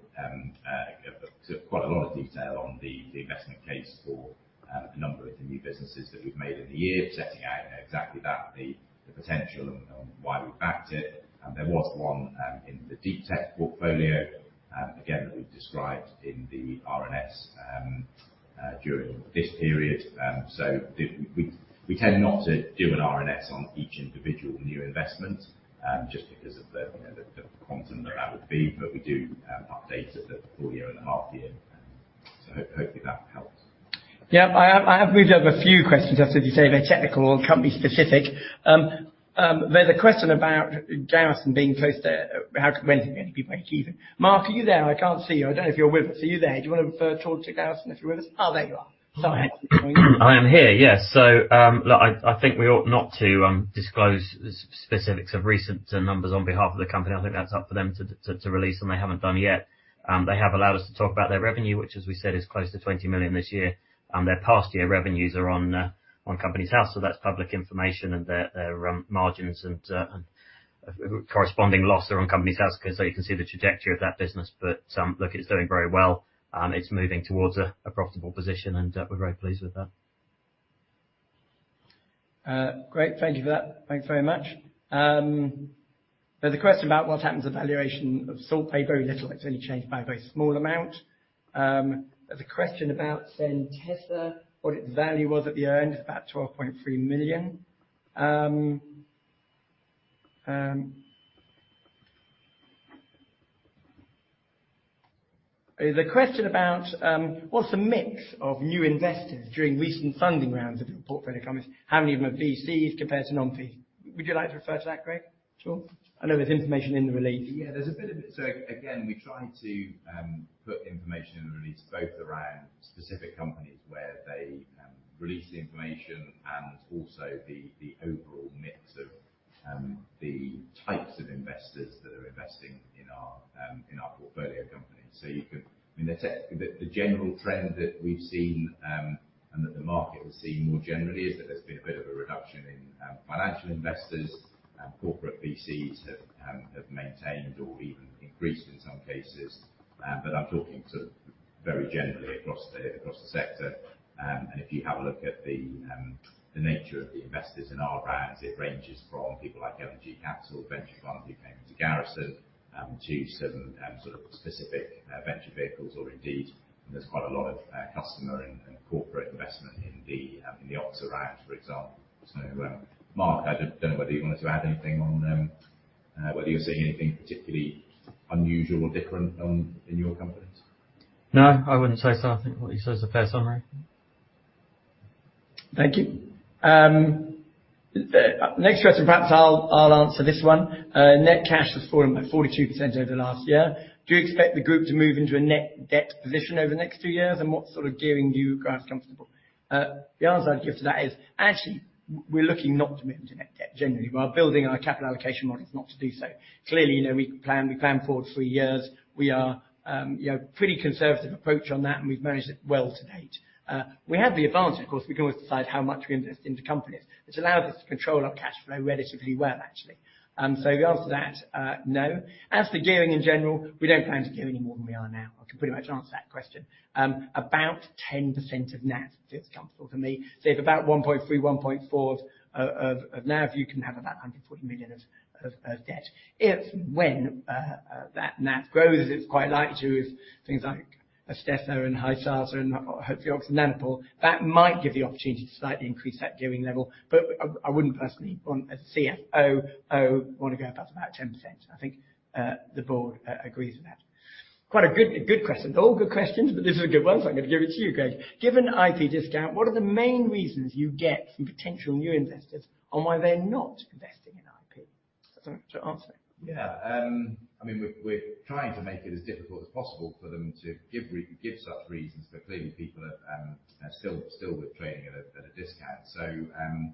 quite a lot of detail on the investment case for a number of the new businesses that we've made in the year. Setting out exactly that, the potential and why we backed it. There was one in the deep tech portfolio, again, that we've described in the RNS during this period. We tend not to do an RNS on each individual new investment, just because of the, you know, the quantum that that would be. We do update at the full year and the half year. Hopefully that helps. Yeah. I have, I have moved over a few questions, as if you say they're technical and company specific. There's a question about Garrison being close to how, when many people are achieving. Mark, are you there? I can't see you. I don't know if you're with us. Are you there? Do you want to refer talk to Garrison, if you're with us? Oh, there you are. Sorry. I am here, yes. Look, I think we ought not to disclose the specifics of recent numbers on behalf of the company. I think that's up for them to release, and they haven't done yet. They have allowed us to talk about their revenue, which, as we said, is close to 20 million this year. Their past year revenues are on Companies House, that's public information. Their margins and corresponding losses are on Companies House, you can see the trajectory of that business. Look, it's doing very well, it's moving towards a profitable position, and we're very pleased with that. Great. Thank you for that. Thanks very much. There's a question about what happens to valuation of SaltPay. Very little. It's only changed by a very small amount. There's a question about Centessa, what its value was at the earn, it's about 12.3 million. There's a question about what's the mix of new investors during recent funding rounds of the portfolio companies? How many of them are VCs compared to non-VCs? Would you like to refer to that, Greg? Sure. I know there's information in the release. Yeah, there's a bit of it. Again, we try to put information in the release, both around specific companies, where they release the information, and also the overall mix of the types of investors that are investing in our in our portfolio company. I mean, the general trend that we've seen, and that the market has seen more generally, is that there's been a bit of a reduction in financial investors and corporate VCs have maintained or even increased in some cases. I'm talking sort of very generally across the sector. If you have a look at the nature of the investors in our rounds, it ranges from people like LBG Capital Venture Fund, who came into Garrison, to certain specific venture vehicles, or indeed, there's quite a lot of customer and corporate investment in the Oxford round, for example. Mark, I don't know whether you wanted to add anything on whether you're seeing anything particularly unusual or different on, in your companies? No, I wouldn't say so. I think what you said is a fair summary. Thank you. Next question, perhaps I'll, I'll answer this one. Net cash has fallen by 42% over the last year. Do you expect the group to move into a net debt position over the next two years? What sort of gearing are you guys comfortable? The answer I'd give to that is, actually, we're looking not to move into net debt generally. We are building our capital allocation models not to do so. Clearly, you know, we plan, we plan forward three years. We are, you know, pretty conservative approach on that, and we've managed it well to date. We have the advantage, of course, we can always decide how much we invest into companies. It's allowed us to control our cash flow relatively well, actually. The answer to that, no. As for gearing in general, we don't plan to gear any more than we are now. I can pretty much answer that question. About 10% of NAV feels comfortable to me. If about 1.3, 1.4 of, of, of NAV, you can have about 140 million of, of, of debt. If, when that NAV grows, it's quite likely to, with things like Istesso and Hysata and hopefully, Oxford Nanopore, that might give the opportunity to slightly increase that gearing level. I, I wouldn't personally want a CFOO, want to go above about 10%. I think the board agrees with that. Quite a good, good question. All good questions, this is a good one, I'm going to give it to you, Greg. Given IP discount, what are the main reasons you get from potential new investors on why they're not investing in IP? Something to answer. Yeah. I mean, we're trying to make it as difficult as possible for them to give such reasons, but clearly, people are still withdrawing at a discount. I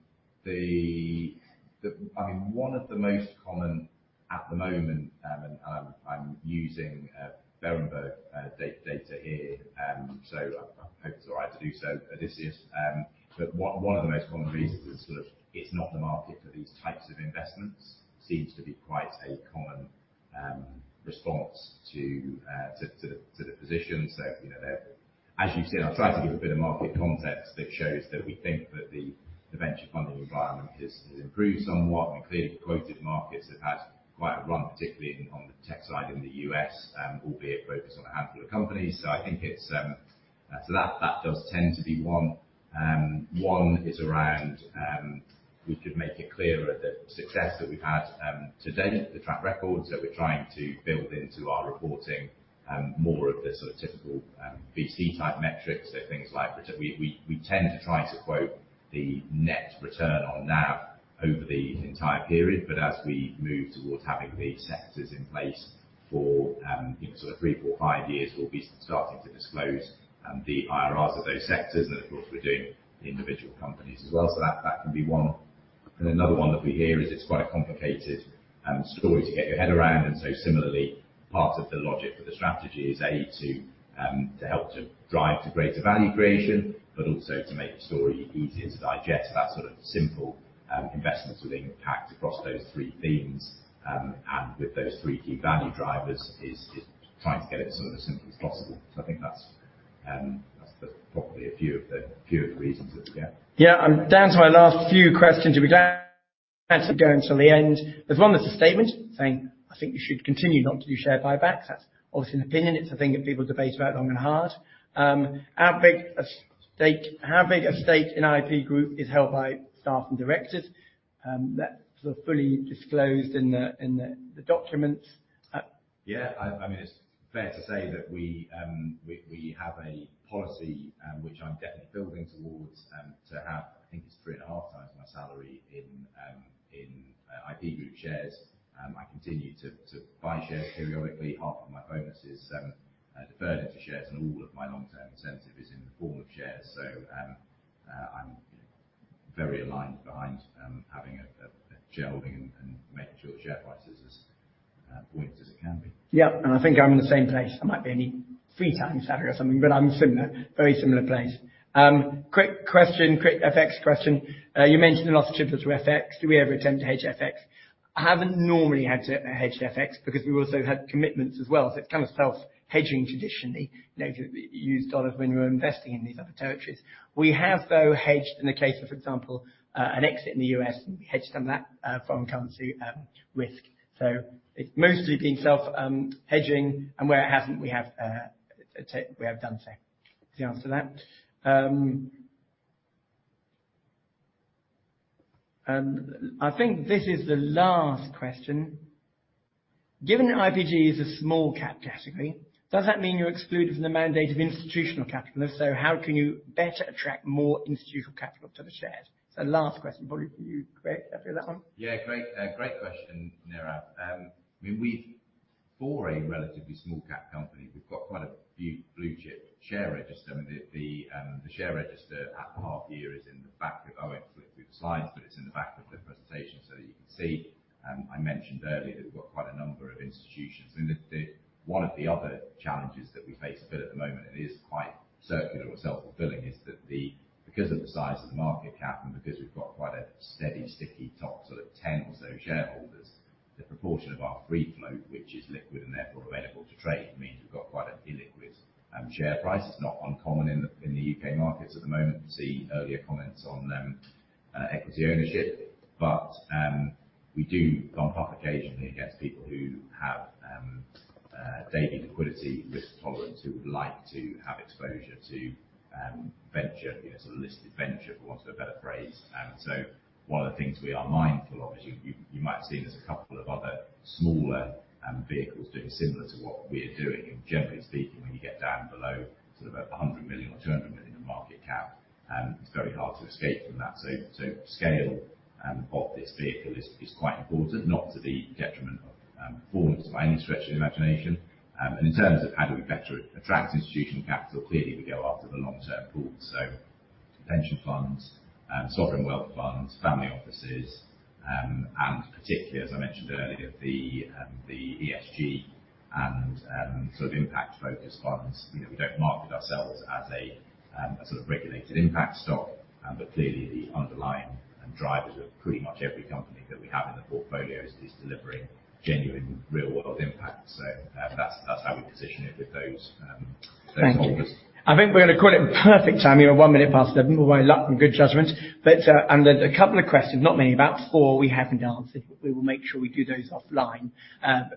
mean, one of the most common at the moment, and I'm using Berenberg data here, so I hope it's all right to do so, Odysseus. But one, one of the most common reasons is, sort of, it's not the market for these types of investments, seems to be quite a common response to the position. You know, they're, as you've seen, I've tried to give a bit of market context that shows that we think that the, the venture funding environment has, has improved somewhat, and clearly the quoted markets have had quite a run, particularly in, on the tech side in the U.S., albeit focused on a handful of companies. I think it's that, that does tend to be one. One is around, we could make it clearer the success that we've had to date, the track records that we're trying to build into our reporting, more of the sort of typical VC type metrics. Things like return- we tend to try to quote the net return on NAV over the entire period, but as we move towards having these sectors in place for, you know, sort of three, four, five years, we'll be starting to disclose the IRRs of those sectors. Of course, we're doing the individual companies as well. That, that can be one. Another one that we hear is it's quite a complicated story to get your head around. Similarly, part of the logic for the strategy is A, to help to drive to greater value creation, but also to make the story easier to digest. That sort of simple investments are being packed across those three themes. With those three key value drivers, is trying to get it sort of as simple as possible. I think that's, that's the probably a few of the, few of the reasons that we get. Yeah, I'm down to my last few questions. We don't have to go until the end. There's one that's a statement saying, "I think you should continue not to do share buybacks." That's obviously an opinion. It's a thing that people debate about long and hard. How big a stake, how big a stake in IP Group is held by staff and directors? That's sort of fully disclosed in the, in the, the documents. Yeah, I, I mean, it's fair to say that we, we have a policy, which I'm definitely building towards, to have, I think it's 3.5x my salary in IP Group shares. I continue to buy shares periodically. Half of my bonus is deferred into shares, and all of my long-term incentive is in the form of shares. I'm very aligned behind having a shareholding and making sure the share price is as buoyant as it can be. Yeah, I think I'm in the same place. I might be only three times salary or something, but I'm similar, very similar place. Quick question, quick FX question. You mentioned a lot of trips to FX. Do we ever attempt to hedge FX? I haven't normally had to hedge FX because we've also had commitments as well, so it's kind of self-hedging traditionally. You know, you, you use dollars when you're investing in these other territories. We have, though, hedged in the case of, for example, an exit in the U.S., and we hedged on that foreign currency risk. It's mostly been self-hedging, and where it hasn't, we have done so. To answer that, I think this is the last question. Given that IP Group is a small cap category, does that mean you're excluded from the mandate of institutional capitalists? How can you better attract more institutional capital to the shares? Last question, probably for you, Greg Smith, can I throw that one? Yeah, great. Great question, Neerav. I mean, we've, for a relatively small cap company, we've got quite a few blue chip share register. I mean, the share register at the half year is in the back of, oh, I flipped through the slides, but it's in the back of the presentation, so you can see. I mentioned earlier, we've got quite a number of institutions. The one of the other challenges that we face a bit at the moment, and it is quite circular or self-fulfilling, is that the, because of the size of the market cap and because we've got quite a steady, sticky top, sort of 10 or so shareholders, the proportion of our free float, which is liquid and therefore available to trade, means we've got quite an illiquid share price. It's not uncommon in the U.K. markets at the moment. See earlier comments on equity ownership. We do bump up occasionally against people who have daily liquidity risk tolerance, who would like to have exposure to venture, you know, sort of listed venture, for want of a better phrase. One of the things we are mindful of is, you, you might have seen there's a couple of other smaller vehicles doing similar to what we're doing. Generally speaking, when you get down below sort of 100 million or 200 million in market cap, it's very hard to escape from that. Scale of this vehicle is quite important, not to the detriment of performance by any stretch of the imagination. In terms of how do we better attract institutional capital, clearly, we go after the long-term pools, so pension funds, sovereign wealth funds, family offices, and particularly, as I mentioned earlier, the ESG and sort of impact focus funds. You know, we don't market ourselves as a sort of regulated impact stock, clearly the underlying drivers of pretty much every company that we have in the portfolio is delivering genuine, real world impact. That's, that's how we position it with those holders. Thank you. I think we're going to call it perfect timing, 11:01 A.M. Well, luck and good judgment. A couple of questions, not many, about four we haven't answered, but we will make sure we do those offline.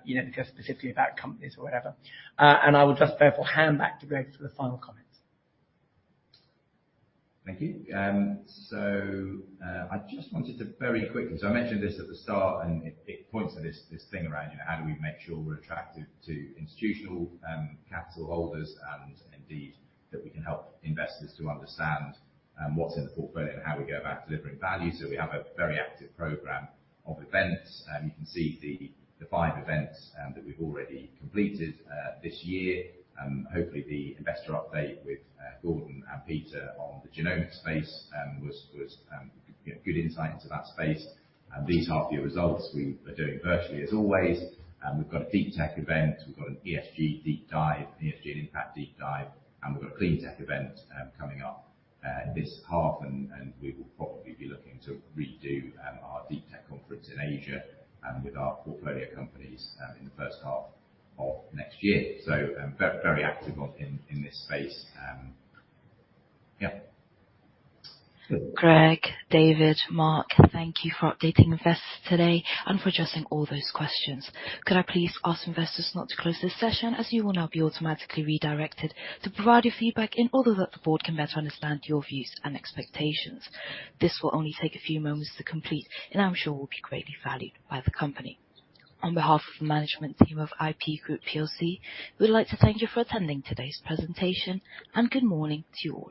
You know, because specifically about companies or whatever. I will just therefore hand back to Greg for the final comments. Thank you. I just wanted to very quickly. I mentioned this at the start, and it points to this thing around, you know, how do we make sure we're attractive to institutional capital holders, and indeed, that we can help investors to understand what's in the portfolio and how we go about delivering value. We have a very active program of events. You can see the five events that we've already completed this year. Hopefully, the investor update with Gordon and Peter on the genomics space was, you know, good insight into that space. These half-year results, we are doing virtually as always. We've got a deep tech event, we've got an ESG deep dive, ESG and impact deep dive, and we've got a clean tech event coming up this half. We will probably be looking to redo our deep tech conference in Asia with our portfolio companies in the first half of next year. Very, very active on, in this space. Greg, David, Mark, thank you for updating investors today and for addressing all those questions. Could I please ask investors not to close this session, as you will now be automatically redirected to provide your feedback in order that the board can better understand your views and expectations. This will only take a few moments to complete, and I'm sure will be greatly valued by the company. On behalf of the management team of IP Group PLC, we'd like to thank you for attending today's presentation. Good morning to you all.